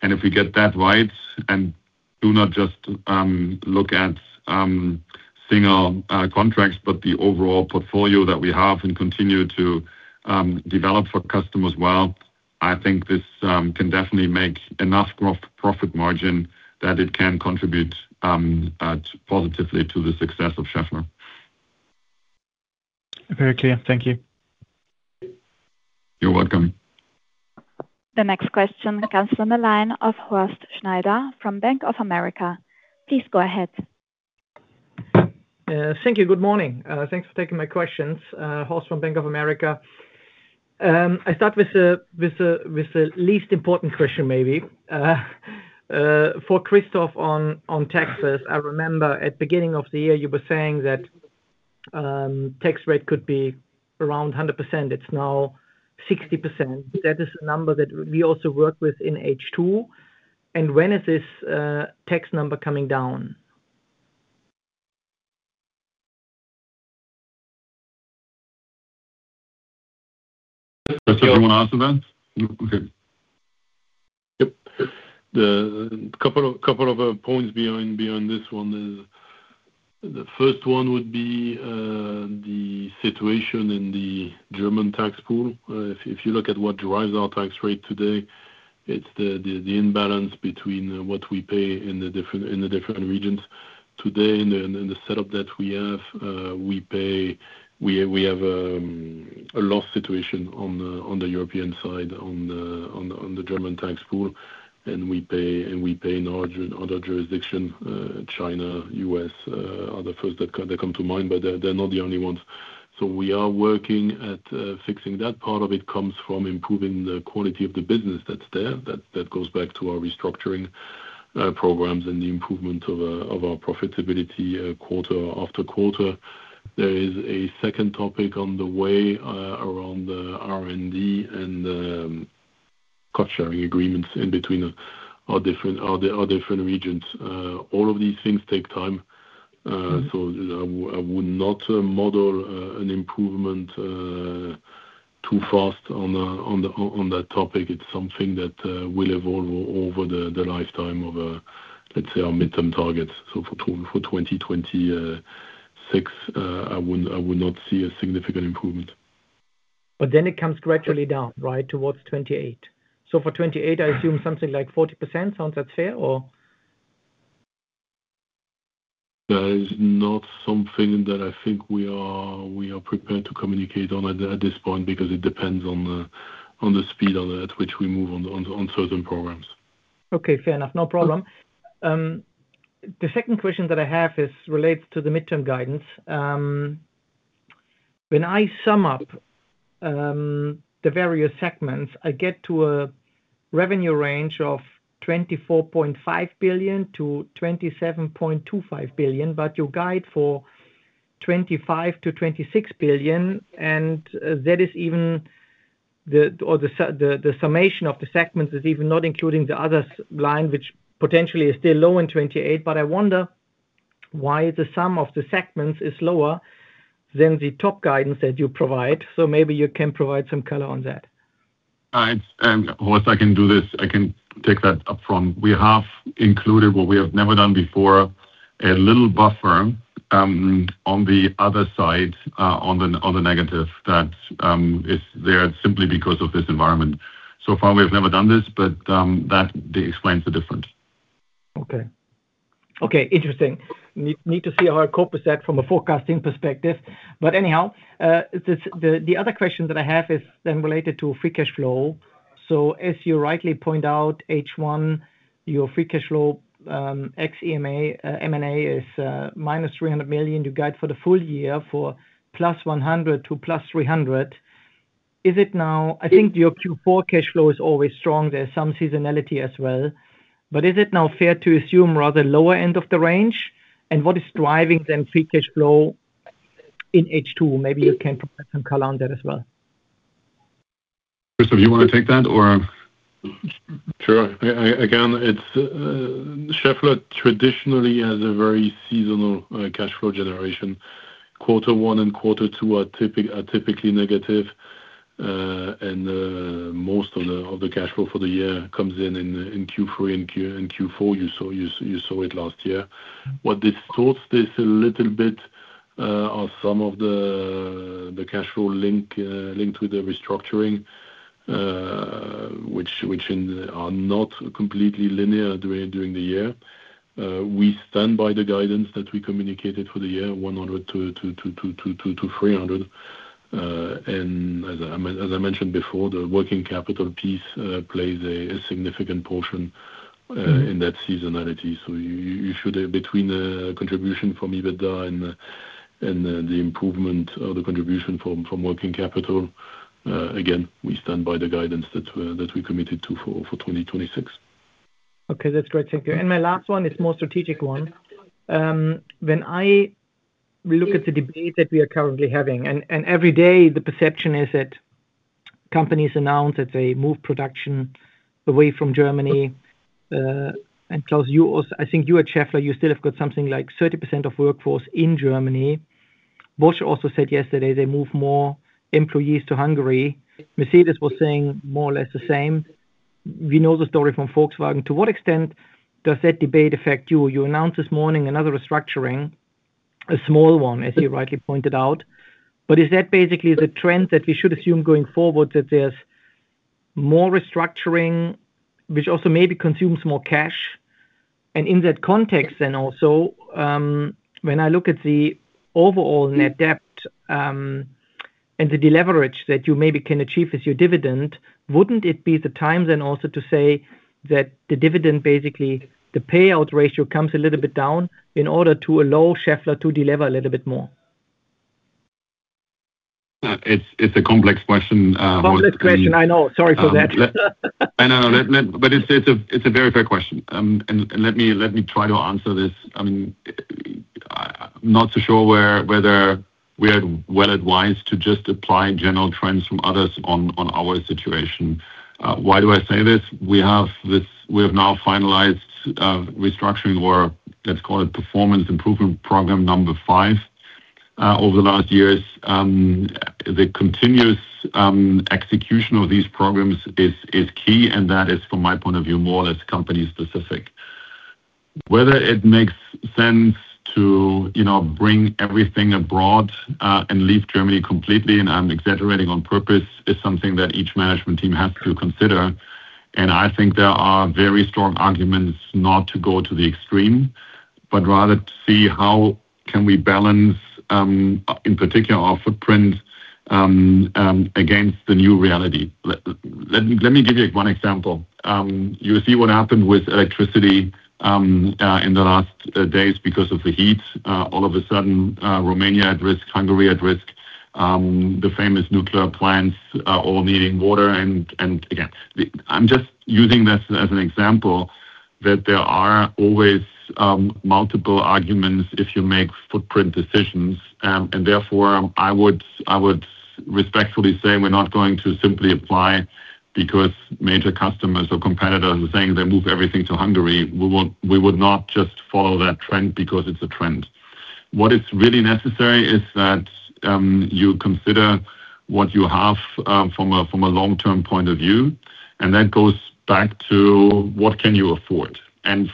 If we get that right, and do not just look at single contracts, but the overall portfolio that we have and continue to develop for customers well, I think this can definitely make enough profit margin that it can contribute positively to the success of Schaeffler. Very clear. Thank you. You're welcome. The next question comes from the line of Horst Schneider from Bank of America. Please go ahead. Thank you. Good morning. Thanks for taking my questions. Horst from Bank of America. I start with the least important question, maybe. For Christophe on taxes. I remember at beginning of the year, you were saying that tax rate could be around 100%. It's now 60%. That is a number that we also work with in H2. When is this tax number coming down? Christophe, you want to answer that? Okay. Yep. Couple of points beyond this one. The first one would be the situation in the German tax pool. If you look at what drives our tax rate today, it's the imbalance between what we pay in the different regions. Today, in the setup that we have, we have a loss situation on the European side, on the German tax pool. We pay in other jurisdiction, China, U.S., are the first that come to mind, but they're not the only ones. We are working at fixing that. Part of it comes from improving the quality of the business that's there. That goes back to our restructuring programs and the improvement of our profitability quarter after quarter. There is a second topic on the way around the R&D and the cost-sharing agreements in between our different regions. All of these things take time, I would not model an improvement too fast on that topic. It's something that will evolve over the lifetime of, let's say, our midterm targets. For 2026, I would not see a significant improvement. It comes gradually down, right? Towards 2028. For 2028, I assume something like 40%. Sounds that fair or? That is not something that I think we are prepared to communicate on at this point, because it depends on the speed at which we move on certain programs. Okay, fair enough. No problem. The second question that I have is related to the midterm guidance. When I sum up the various segments, I get to a revenue range of 24.5 billion-27.25 billion, you guide for 25 billion-26 billion, and the summation of the segments is even not including the other line, which potentially is still low in 2028. I wonder why the sum of the segments is lower than the top guidance that you provide. Maybe you can provide some color on that. Horst, I can do this. I can take that up front. We have included what we have never done before, a little buffer on the other side, on the negative that is there simply because of this environment. So far, we have never done this, that explains the difference. Okay. Interesting. Need to see how I cope with that from a forecasting perspective. Anyhow, the other question that I have is then related to free cash flow. As you rightly point out, H1, your free cash flow, ex M&A, is -300 million. You guide for the full year for +100 million to +300 million. I think your Q4 cash flow is always strong. There's some seasonality as well. Is it now fair to assume rather lower end of the range? What is driving then free cash flow in H2? Maybe you can provide some color on that as well. Christophe, do you want to take that? Sure. Again, Schaeffler traditionally has a very seasonal cash flow generation. Quarter one and quarter two are typically negative. Most of the cash flow for the year comes in Q3 and Q4. You saw it last year. What distorts this a little bit are some of the cash flow linked with the restructuring, which are not completely linear during the year. We stand by the guidance that we communicated for the year, 100 million-300 million. As I mentioned before, the working capital piece plays a significant portion in that seasonality. You should, between the contribution from EBITDA and the improvement or the contribution from working capital, again, we stand by the guidance that we committed to for 2026. Okay. That's great. Thank you. My last one is more strategic one. When I look at the debate that we are currently having, every day the perception is that companies announce that they move production away from Germany. Klaus, I think you at Schaeffler, you still have got something like 30% of workforce in Germany. Bosch also said yesterday they move more employees to Hungary. Mercedes-Benz was saying more or less the same. We know the story from Volkswagen. To what extent does that debate affect you? You announced this morning another restructuring, a small one, as you rightly pointed out. Is that basically the trend that we should assume going forward, that there's more restructuring, which also maybe consumes more cash? In that context, when I look at the overall net debt, and the deleverage that you maybe can achieve with your dividend, wouldn't it be the time to say that the dividend basically, the payout ratio comes a little bit down in order to allow Schaeffler to delever a little bit more? It's a complex question. Complex question, I know. Sorry for that. I know. It's a very fair question. Let me try to answer this. I'm not so sure whether we are well advised to just apply general trends from others on our situation. Why do I say this? We have now finalized a restructuring, or let's call it Performance Improvement Program number five. Over the last years, the continuous execution of these programs is key, and that is, from my point of view, more or less company specific. Whether it makes sense to bring everything abroad, and leave Germany completely, and I'm exaggerating on purpose, is something that each management team has to consider. I think there are very strong arguments not to go to the extreme, but rather to see how can we balance, in particular our footprint, against the new reality. Let me give you one example. You see what happened with electricity in the last days because of the heat. All of a sudden, Romania at risk, Hungary at risk, the famous nuclear plants all needing water. Again, I'm just using this as an example that there are always multiple arguments if you make footprint decisions. Therefore, I would respectfully say we're not going to simply apply because major customers or competitors are saying they move everything to Hungary. We would not just follow that trend because it's a trend. What is really necessary is that you consider what you have from a long-term point of view, and that goes back to what can you afford?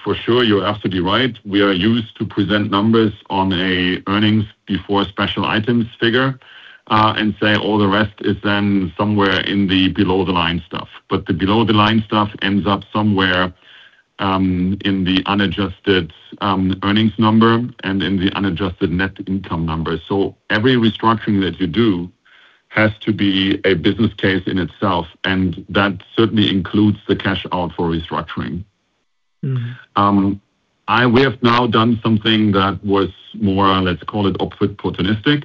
For sure, you're absolutely right. We are used to present numbers on a earnings before special items figure, and say all the rest is then somewhere in the below the line stuff. The below the line stuff ends up somewhere, in the unadjusted earnings number and in the unadjusted net income number. Every restructuring that you do has to be a business case in itself, and that certainly includes the cash out for restructuring. We have now done something that was more, let's call it opportunistic,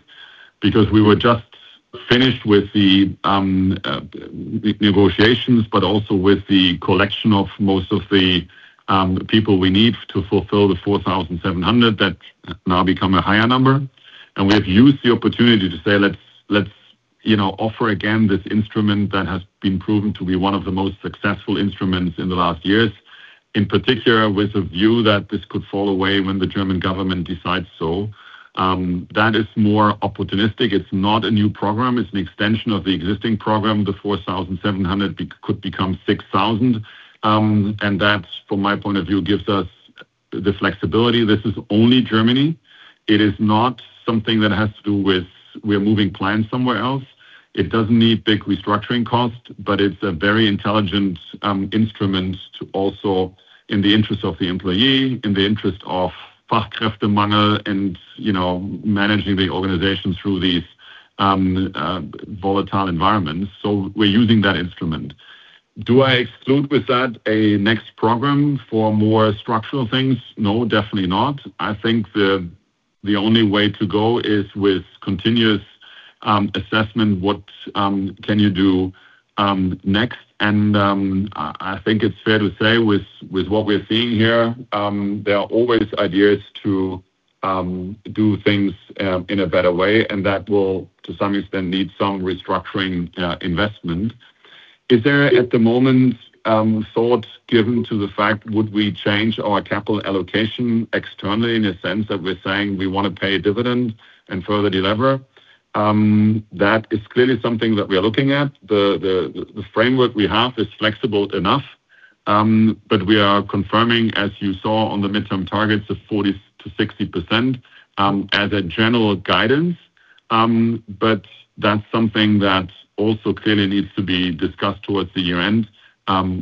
because we were just finished with the negotiations, but also with the collection of most of the people we need to fulfill the 4,700, that's now become a higher number. We have used the opportunity to say, let's offer again this instrument that has been proven to be one of the most successful instruments in the last years, in particular with a view that this could fall away when the German government decides so. That is more opportunistic. It's not a new program. It's an extension of the existing program. The 4,700 could become 6,000. That, from my point of view, gives us the flexibility. This is only Germany. It is not something that has to do with we are moving plants somewhere else. It doesn't need big restructuring costs, but it's a very intelligent instrument to also, in the interest of the employee, in the interest of and managing the organization through these volatile environments. We're using that instrument. Do I exclude with that a next program for more structural things? No, definitely not. I think the only way to go is with continuous assessment. What can you do next? I think it's fair to say with what we're seeing here, there are always ideas to do things in a better way, and that will, to some extent, need some restructuring investment. Is there at the moment, thought given to the fact would we change our capital allocation externally in a sense that we're saying we want to pay a dividend and further de-lever? That is clearly something that we are looking at. The framework we have is flexible enough, but we are confirming, as you saw on the midterm targets of 40%-60%, as a general guidance. That's something that also clearly needs to be discussed towards the year-end.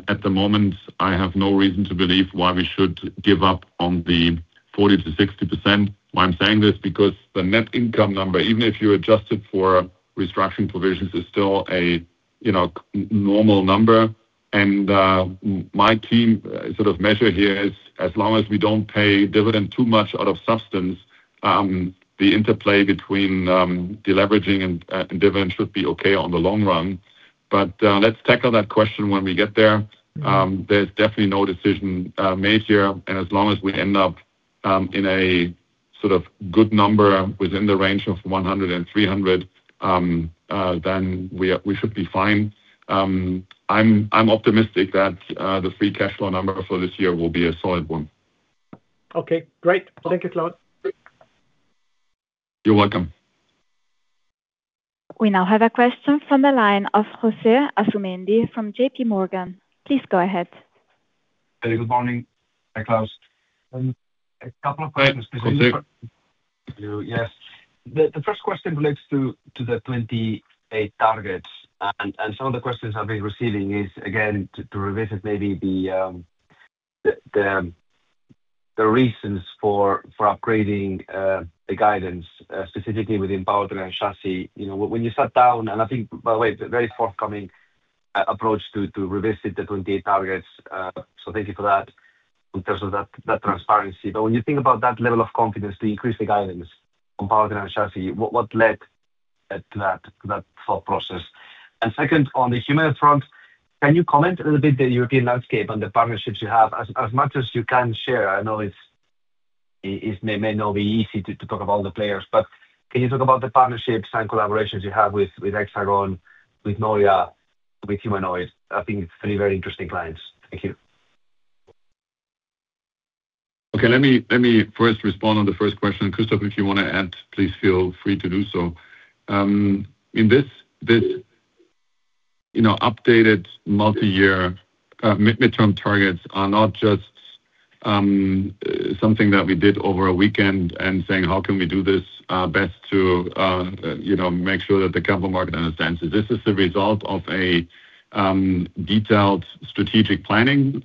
At the moment, I have no reason to believe why we should give up on the 40%-60%. Why I'm saying this, because the net income number, even if you adjust it for restructuring provisions, is still a normal number. My team sort of measure here is, as long as we don't pay dividend too much out of substance, the interplay between de-leveraging and dividend should be okay on the long run. Let's tackle that question when we get there. There's definitely no decision made here, and as long as we end up in a good number within the range of 100 and 300, then we should be fine. I'm optimistic that the free cash flow number for this year will be a solid one. Okay, great. Thank you, Klaus. You're welcome. We now have a question from the line of José Asumendi from JPMorgan. Please go ahead. Very good morning. Hi, Klaus. A couple of questions- José specifically for you, yes. The first question relates to the 2028 targets. Some of the questions I've been receiving is, again, to revisit maybe the reasons for upgrading the guidance, specifically within Powertrain & Chassis. When you sat down, I think, by the way, very forthcoming approach to revisit the 2028 targets, thank you for that in terms of that transparency. When you think about that level of confidence to increase the guidance on Powertrain & Chassis, what led to that thought process? Second, on the humanoid front, can you comment a little bit the European landscape on the partnerships you have? As much as you can share. I know it may not be easy to talk about all the players. But can you talk about the partnerships and collaborations you have with Hexagon, with NEURA Robotics, with Humanoid AI? I think it's three very interesting clients. Thank you. Okay. Let me first respond on the first question. Christophe, if you want to add, please feel free to do so. In this updated multi-year midterm targets are not just something that we did over a weekend and saying, "How can we do this best to make sure that the capital market understands it?" This is the result of a detailed strategic planning.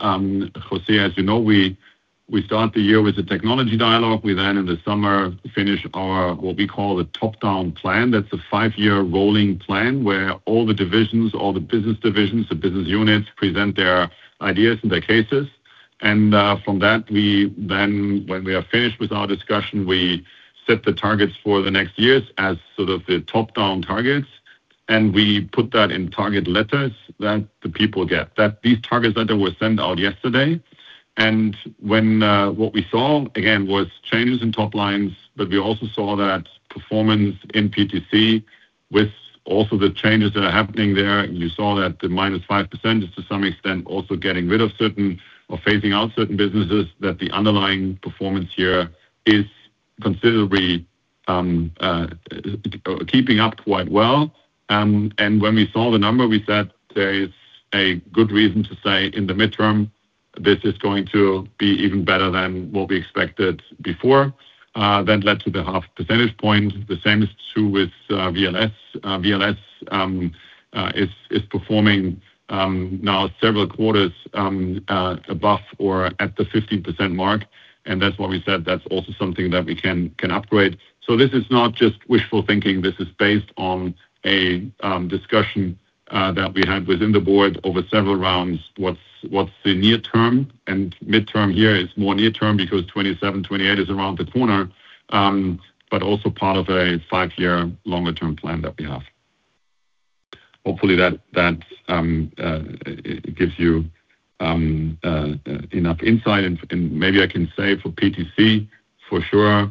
José, as you know, we start the year with a technology dialogue. We then in the summer finish our, what we call the top-down plan. That's a five-year rolling plan where all the divisions, all the business divisions, the business units present their ideas and their cases. From that, when we are finished with our discussion, we set the targets for the next years as sort of the top-down targets, and we put that in target letters that the people get. These target letter were sent out yesterday. What we saw, again, was changes in top lines, but we also saw that performance in PTC with also the changes that are happening there. You saw that the -5% is to some extent also getting rid of certain or phasing out certain businesses that the underlying performance here is considerably keeping up quite well. When we saw the number, we said there is a good reason to say in the midterm, this is going to be even better than what we expected before. That led to the half percentage point. The same is true with VLS. VLS is performing now several quarters above or at the 50% mark, and that's why we said that's also something that we can upgrade. This is not just wishful thinking. This is based on a discussion that we had within the board over several rounds. What's the near term and midterm. Here is more near term because 2027, 2028 is around the corner, but also part of a five-year longer term plan that we have. Hopefully that gives you enough insight and maybe I can say for PTC for sure,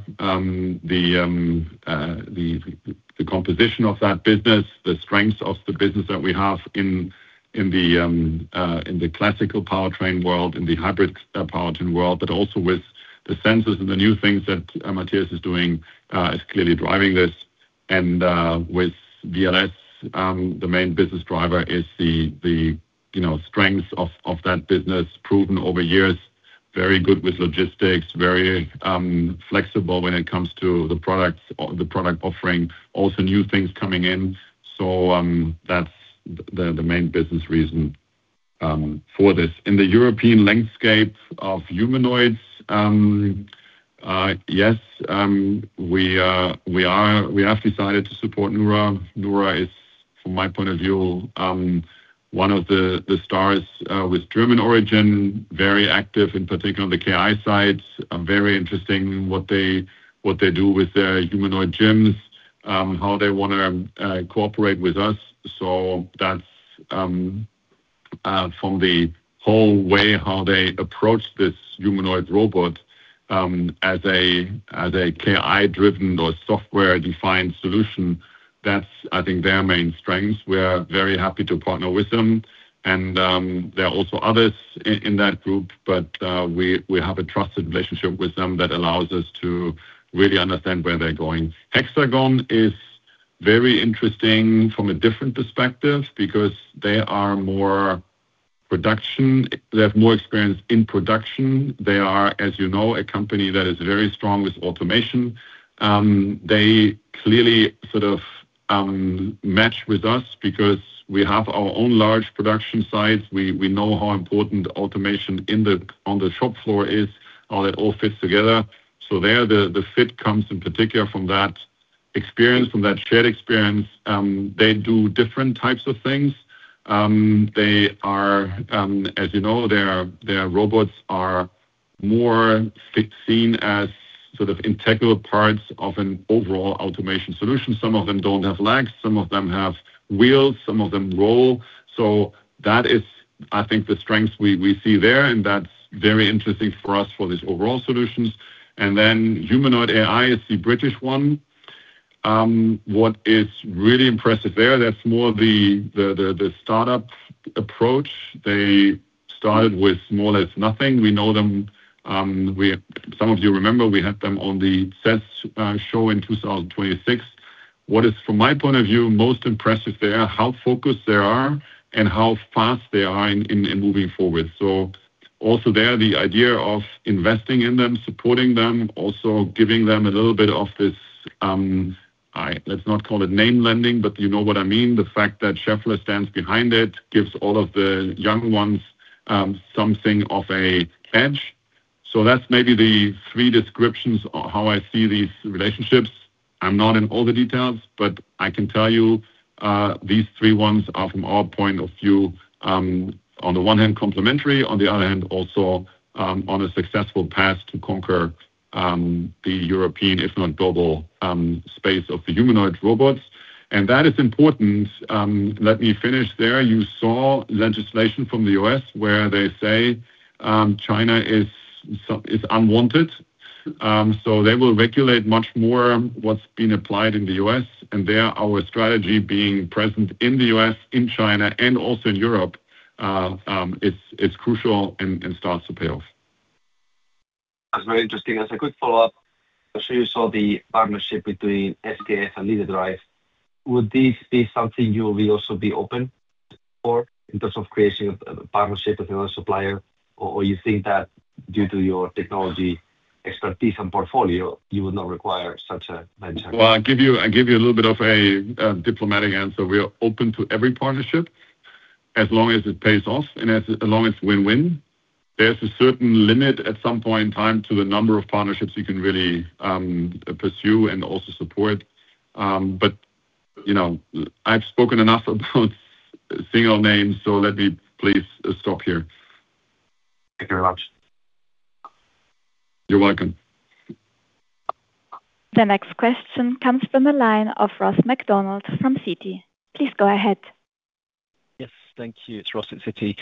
the composition of that business, the strengths of the business that we have in the classical powertrain world, in the hybrid powertrain world. Also with the sensors and the new things that Matthias is doing, is clearly driving this. With VLS, the main business driver is the strength of that business proven over years, very good with logistics, very flexible when it comes to the product offering, also new things coming in. That's the main business reason for this. In the European landscape of humanoids Yes, we have decided to support NEURA. NEURA is, from my point of view, one of the stars with German origin, very active, in particular on the KI side. Very interesting what they do with their humanoid gyms, how they want to cooperate with us. That's from the whole way how they approach this humanoid robot as a KI-driven or software-defined solution, that's I think their main strengths. We are very happy to partner with them, and there are also others in that group. We have a trusted relationship with them that allows us to really understand where they're going. Hexagon is very interesting from a different perspective because they have more experience in production. They are, as you know, a company that is very strong with automation. They clearly sort of match with us because we have our own large production sites. We know how important automation on the shop floor is, how that all fits together. There, the fit comes in particular from that shared experience. They do different types of things. As you know, their robots are more seen as sort of integral parts of an overall automation solution. Some of them don't have legs, some of them have wheels, some of them roll. That is, I think, the strength we see there, and that's very interesting for us for these overall solutions. Humanoid AI is the British one. What is really impressive there, that's more the startup approach. They started with more or less nothing. We know them. Some of you remember, we had them on the CES show in 2026. What is, from my point of view, most impressive there, how focused they are and how fast they are in moving forward. Also there, the idea of investing in them, supporting them, also giving them a little bit of this, let's not call it name lending, but you know what I mean. The fact that Schaeffler stands behind it gives all of the young ones something of an edge. That's maybe the three descriptions of how I see these relationships. I'm not in all the details, but I can tell you, these three ones are, from our point of view, on the one hand complementary, on the other hand, also on a successful path to conquer the European, if not global, space of the humanoid robots, and that is important. Let me finish there. You saw legislation from the U.S. where they say China is unwanted. They will regulate much more what's been applied in the U.S. There our strategy being present in the U.S., in China, and also in Europe, it's crucial and starts to pay off. That's very interesting. As a quick follow-up, I'm sure you saw the partnership between SKF and Leaderdrive. Would this be something you will also be open for in terms of creating a partnership with another supplier? You think that due to your technology expertise and portfolio, you would not require such a venture? Well, I'll give you a little bit of a diplomatic answer. We are open to every partnership as long as it pays off and as long it's win-win. There's a certain limit at some point in time to the number of partnerships you can really pursue and also support. I've spoken enough about single names. Let me please stop here. Thank you very much. You're welcome. The next question comes from the line of Ross MacDonald from Citi. Please go ahead. Yes. Thank you. It's Ross at Citi.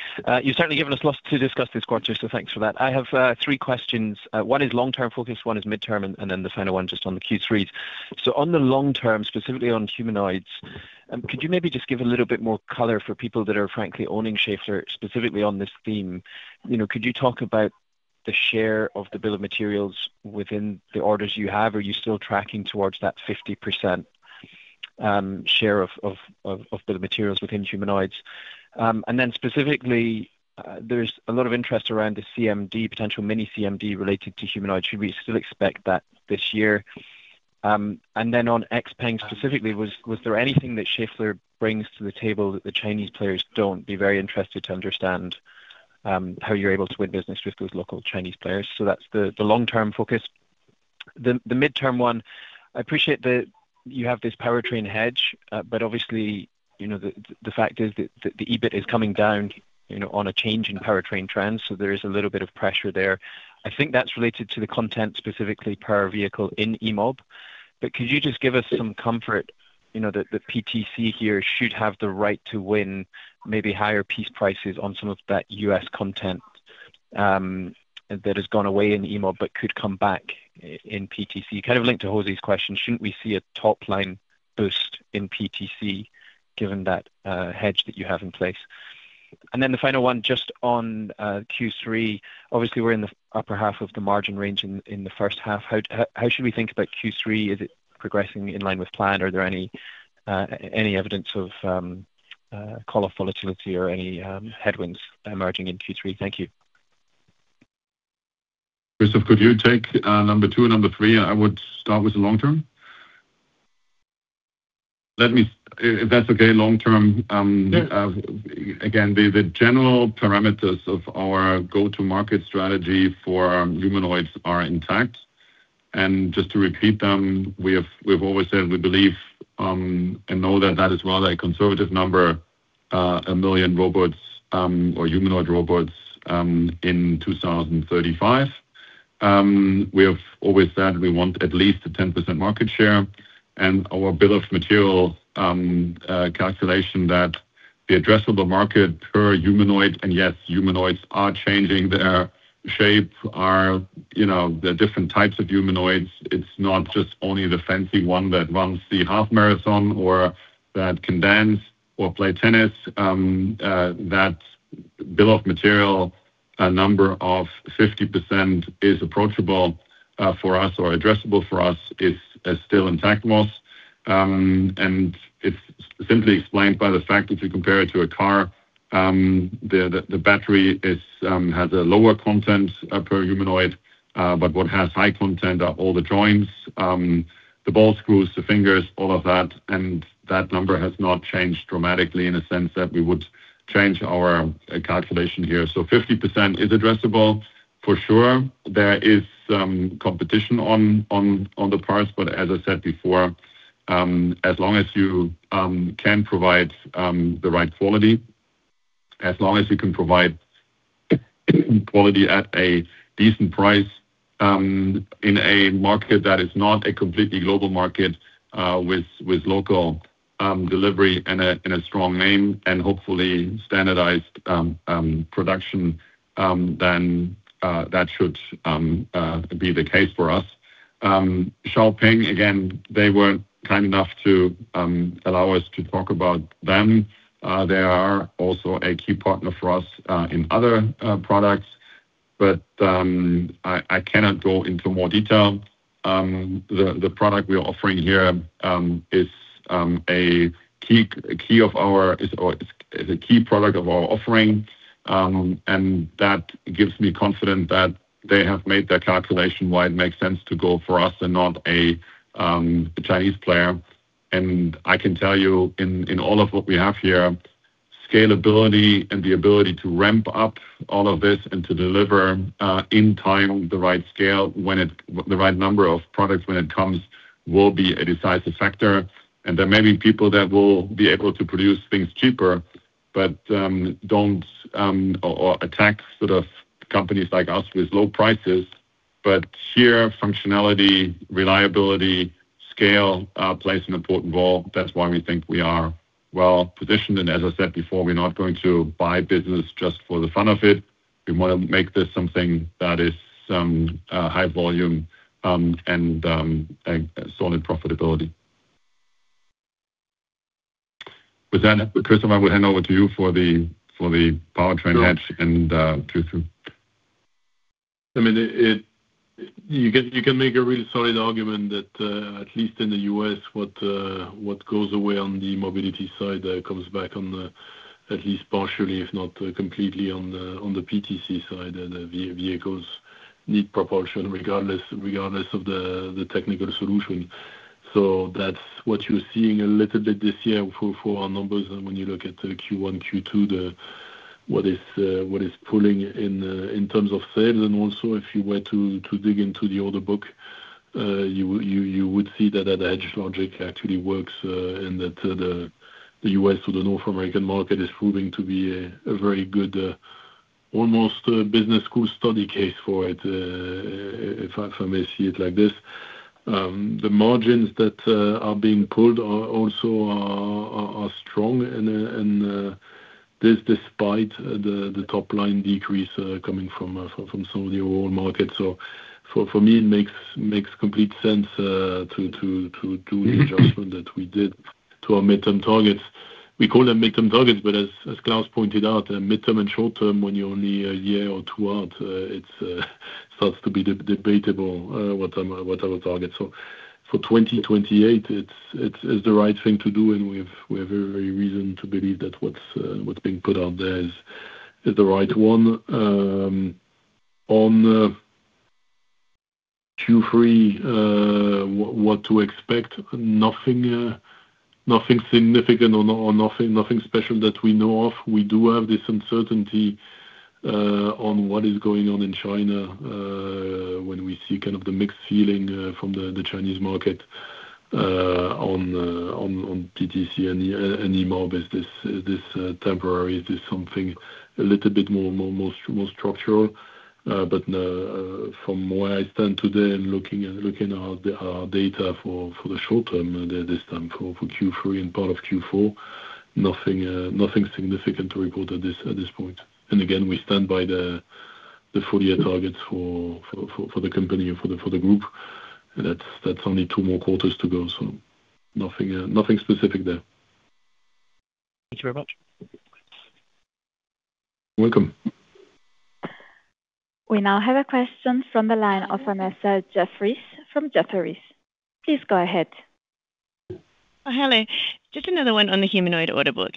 You've certainly given us lots to discuss this quarter, thanks for that. I have three questions. One is long-term focus, one is midterm, the final one just on the Q3s. On the long term, specifically on humanoids, could you maybe just give a little bit more color for people that are frankly owning Schaeffler specifically on this theme? Could you talk about the share of the bill of materials within the orders you have? Are you still tracking towards that 50% share of bill of materials within humanoids? And then specifically, there's a lot of interest around the CMD, potential mini CMD related to humanoid. Should we still expect that this year? And then on XPeng specifically, was there anything that Schaeffler brings to the table that the Chinese players don't? Be very interested to understand how you're able to win business with those local Chinese players. That's the long-term focus. The midterm one, I appreciate that you have this powertrain hedge, obviously, the fact is that the EBIT is coming down on a change in powertrain trends, there is a little bit of pressure there. I think that's related to the content specifically per vehicle in E-Mobility. Could you just give us some comfort? The PTC here should have the right to win maybe higher piece prices on some of that U.S. content that has gone away in E-Mobility but could come back in PTC. Kind of linked to José's question, shouldn't we see a top-line boost in PTC given that hedge that you have in place? The final one, just on Q3, obviously we're in the upper half of the margin range in the first half. How should we think about Q3? Is it progressing in line with plan? Are there any evidence of call volatility or any headwinds emerging in Q3? Thank you. Christophe, could you take number two and number three? I would start with the long term. If that's okay, long term. Yes. Again, the general parameters of our go-to-market strategy for humanoids are intact. Just to repeat them, we've always said we believe and know that that is rather a conservative number, 1 million robots or humanoid robots in 2035. We have always said we want at least a 10% market share and our bill of material calculation that the addressable market per humanoid, yes, humanoids are changing their shape. There are different types of humanoids. It's not just only the fancy one that runs the half marathon or that can dance or play tennis. That bill of material, a number of 50% is approachable for us, or addressable for us, is still intact, Ross. It's simply explained by the fact if you compare it to a car, the battery has a lower content per humanoid. What has high content are all the joints, the ball screws, the fingers, all of that. That number has not changed dramatically in a sense that we would change our calculation here. 50% is addressable for sure. There is competition on the parts, but as I said before, as long as you can provide the right quality, as long as you can provide quality at a decent price in a market that is not a completely global market with local delivery and a strong name and hopefully standardized production, then that should be the case for us. XPeng, again, they weren't kind enough to allow us to talk about them. They are also a key partner for us in other products, but I cannot go into more detail. The product we are offering here is a key product of our offering. That gives me confidence that they have made their calculation why it makes sense to go for us and not a Chinese player. I can tell you in all of what we have here, scalability and the ability to ramp up all of this and to deliver in time the right scale, the right number of products when it comes will be a decisive factor. There may be people that will be able to produce things cheaper or attack sort of companies like us with low prices, but sheer functionality, reliability, scale plays an important role. That's why we think we are well positioned. As I said before, we're not going to buy business just for the fun of it. We want to make this something that is high volume and solid profitability. With that, Christophe, I will hand over to you for the powertrain hedge and Q2. You can make a really solid argument that at least in the U.S., what goes away on the mobility side comes back at least partially, if not completely on the PTC side. The vehicles need propulsion regardless of the technical solution. That's what you're seeing a little bit this year for our numbers. When you look at the Q1, Q2, what is pulling in terms of sales, also if you were to dig into the order book, you would see that that hedge logic actually works and that the U.S. or the North American market is proving to be a very good almost business school study case for it, if I may see it like this. The margins that are being pulled also are strong. This despite the top line decrease coming from some of the oil markets. For me, it makes complete sense to do the adjustment that we did to our midterm targets. We call them midterm targets, but as Klaus pointed out, midterm and short term, when you're only a year or two out, it starts to be debatable what our target. For 2028, it's the right thing to do, and we have every reason to believe that what's being put out there is the right one. On Q3, what to expect? Nothing significant or nothing special that we know of. We do have this uncertainty on what is going on in China when we see kind of the mixed feeling from the Chinese market on PTC and E-Mobility, is this temporary? Is this something a little bit more structural? From where I stand today and looking at our data for the short term this time for Q3 and part of Q4, nothing significant to report at this point. Again, we stand by the full year targets for the company and for the group. That's only two more quarters to go, nothing specific there. Thank you very much. You're welcome. We now have a question from the line of Vanessa Jeffriess from Jefferies. Please go ahead. Hello. Just another one on the Humanoid order book.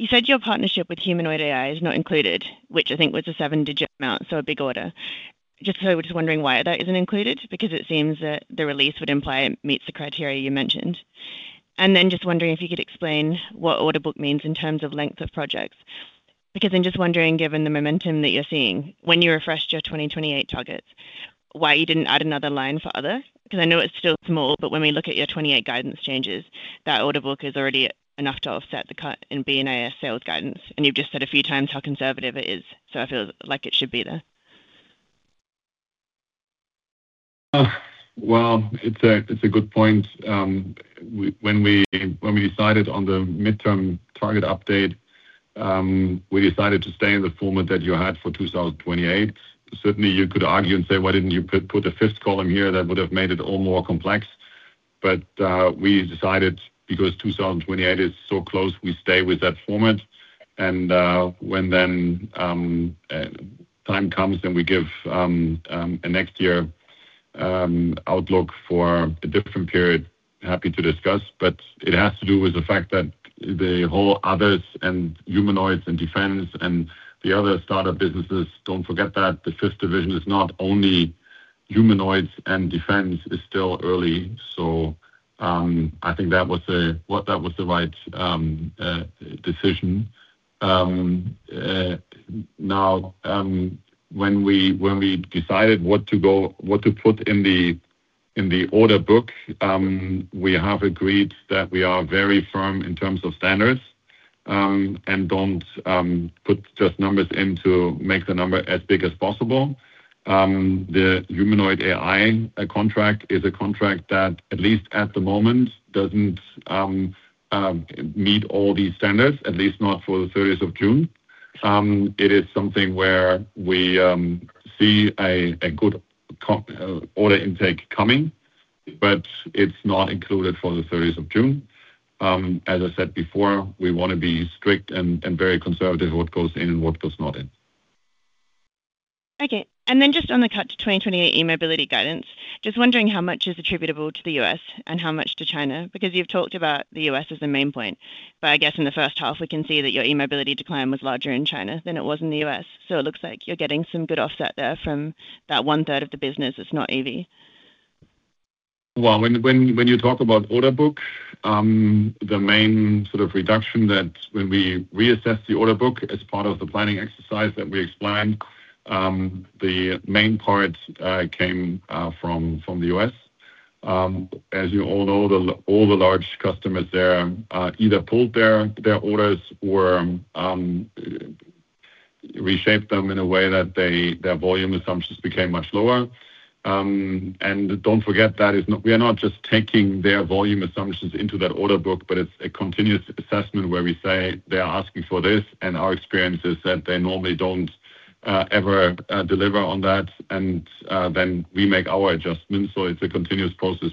You said your partnership with Humanoid is not included, which I think was a seven-digit amount, so a big order. Just so we're just wondering why that isn't included, because it seems that the release would imply it meets the criteria you mentioned. Then just wondering if you could explain what order book means in terms of length of projects. Because I'm just wondering, given the momentum that you're seeing, when you refreshed your 2028 targets, why you didn't add another line for other? Because I know it's still small, but when we look at your 2028 guidance changes, that order book is already enough to offset the cut in B&IS sales guidance. You've just said a few times how conservative it is. I feel like it should be there. Well, it's a good point. When we decided on the midterm target update, we decided to stay in the format that you had for 2028. Certainly, you could argue and say, "Why didn't you put a fifth column here?" That would have made it all more complex. We decided because 2028 is so close, we stay with that format. When then time comes, then we give a next year outlook for a different period, happy to discuss. It has to do with the fact that the whole others and humanoids and defense and the other startup businesses, don't forget that the fifth division is not only humanoids and defense. It's still early. I think that was the right decision. When we decided what to put in the order book, we have agreed that we are very firm in terms of standards, and don't put just numbers in to make the number as big as possible. The humanoid AI contract is a contract that, at least at the moment, doesn't meet all these standards, at least not for the June 30th. It is something where we see a good order intake coming, but it's not included for the June 30th. As I said before, we want to be strict and very conservative what goes in and what goes not in. Just on the cut to 2028 E-Mobility guidance, just wondering how much is attributable to the U.S. and how much to China, because you've talked about the U.S. as the main point. I guess in the first half, we can see that your E-Mobility decline was larger in China than it was in the U.S. It looks like you're getting some good offset there from that one-third of the business that's not EV. When you talk about order book, the main sort of reduction that when we reassess the order book as part of the planning exercise that we explained, the main part came from the U.S. As you all know, all the large customers there either pulled their orders or reshaped them in a way that their volume assumptions became much lower. Don't forget that we are not just taking their volume assumptions into that order book, but it's a continuous assessment where we say they are asking for this, and our experience is that they normally don't ever deliver on that, and then we make our adjustments. It's a continuous process.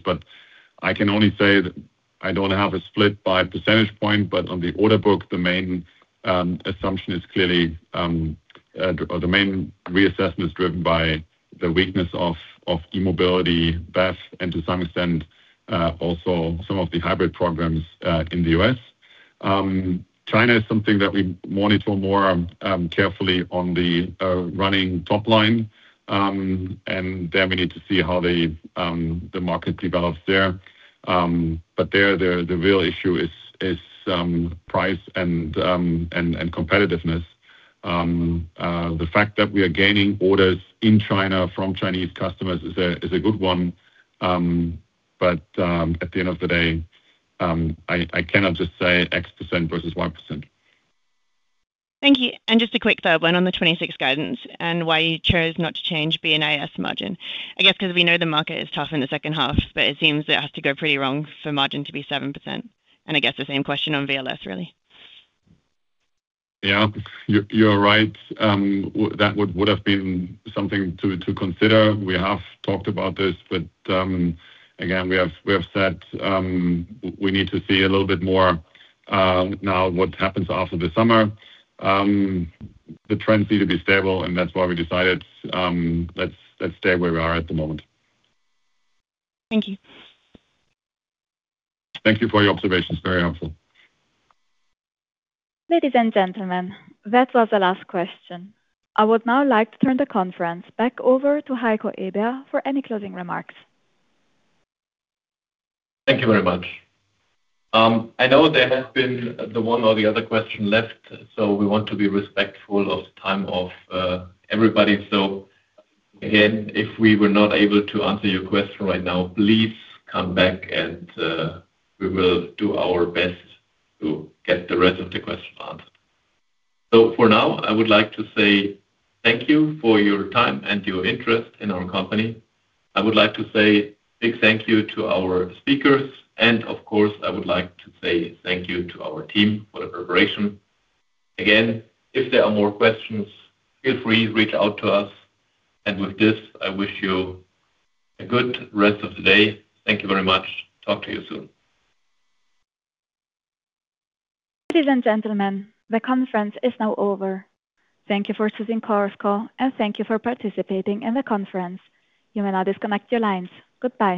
I can only say that I don't have a split by percentage point, but on the order book, the main assumption is clearly or the main reassessment is driven by the weakness of E-Mobility, BEV, and to some extent, also some of the hybrid programs in the U.S. China is something that we monitor more carefully on the running top line. Then we need to see how the market develops there. There, the real issue is price and competitiveness. The fact that we are gaining orders in China from Chinese customers is a good one. At the end of the day, I cannot just say X% versus Y%. Thank you. Just a quick third one on the 2026 guidance and why you chose not to change B&IS margin. I guess because we know the market is tough in the second half, but it seems it has to go pretty wrong for margin to be 7%. I guess the same question on VLS, really. Yeah. You're right. That would have been something to consider. We have talked about this, again, we have said we need to see a little bit more now what happens after the summer. The trends seem to be stable, that's why we decided, let's stay where we are at the moment. Thank you. Thank you for your observations. Very helpful. Ladies and gentlemen, that was the last question. I would now like to turn the conference back over to Heiko Eber for any closing remarks. Thank you very much. I know there has been the one or the other question left. We want to be respectful of time of everybody. Again, if we were not able to answer your question right now, please come back and we will do our best to get the rest of the questions answered. For now, I would like to say thank you for your time and your interest in our company. Of course, I would like to say thank you to our speakers. And of course, I would like to say thank you to our team for the preparation. Again, if there are more questions, feel free, reach out to us. With this, I wish you a good rest of the day. Thank you very much. Talk to you soon. Ladies and gentlemen, the conference is now over. Thank you for choosing Chorus Call, and thank you for participating in the conference. You may now disconnect your lines. Goodbye.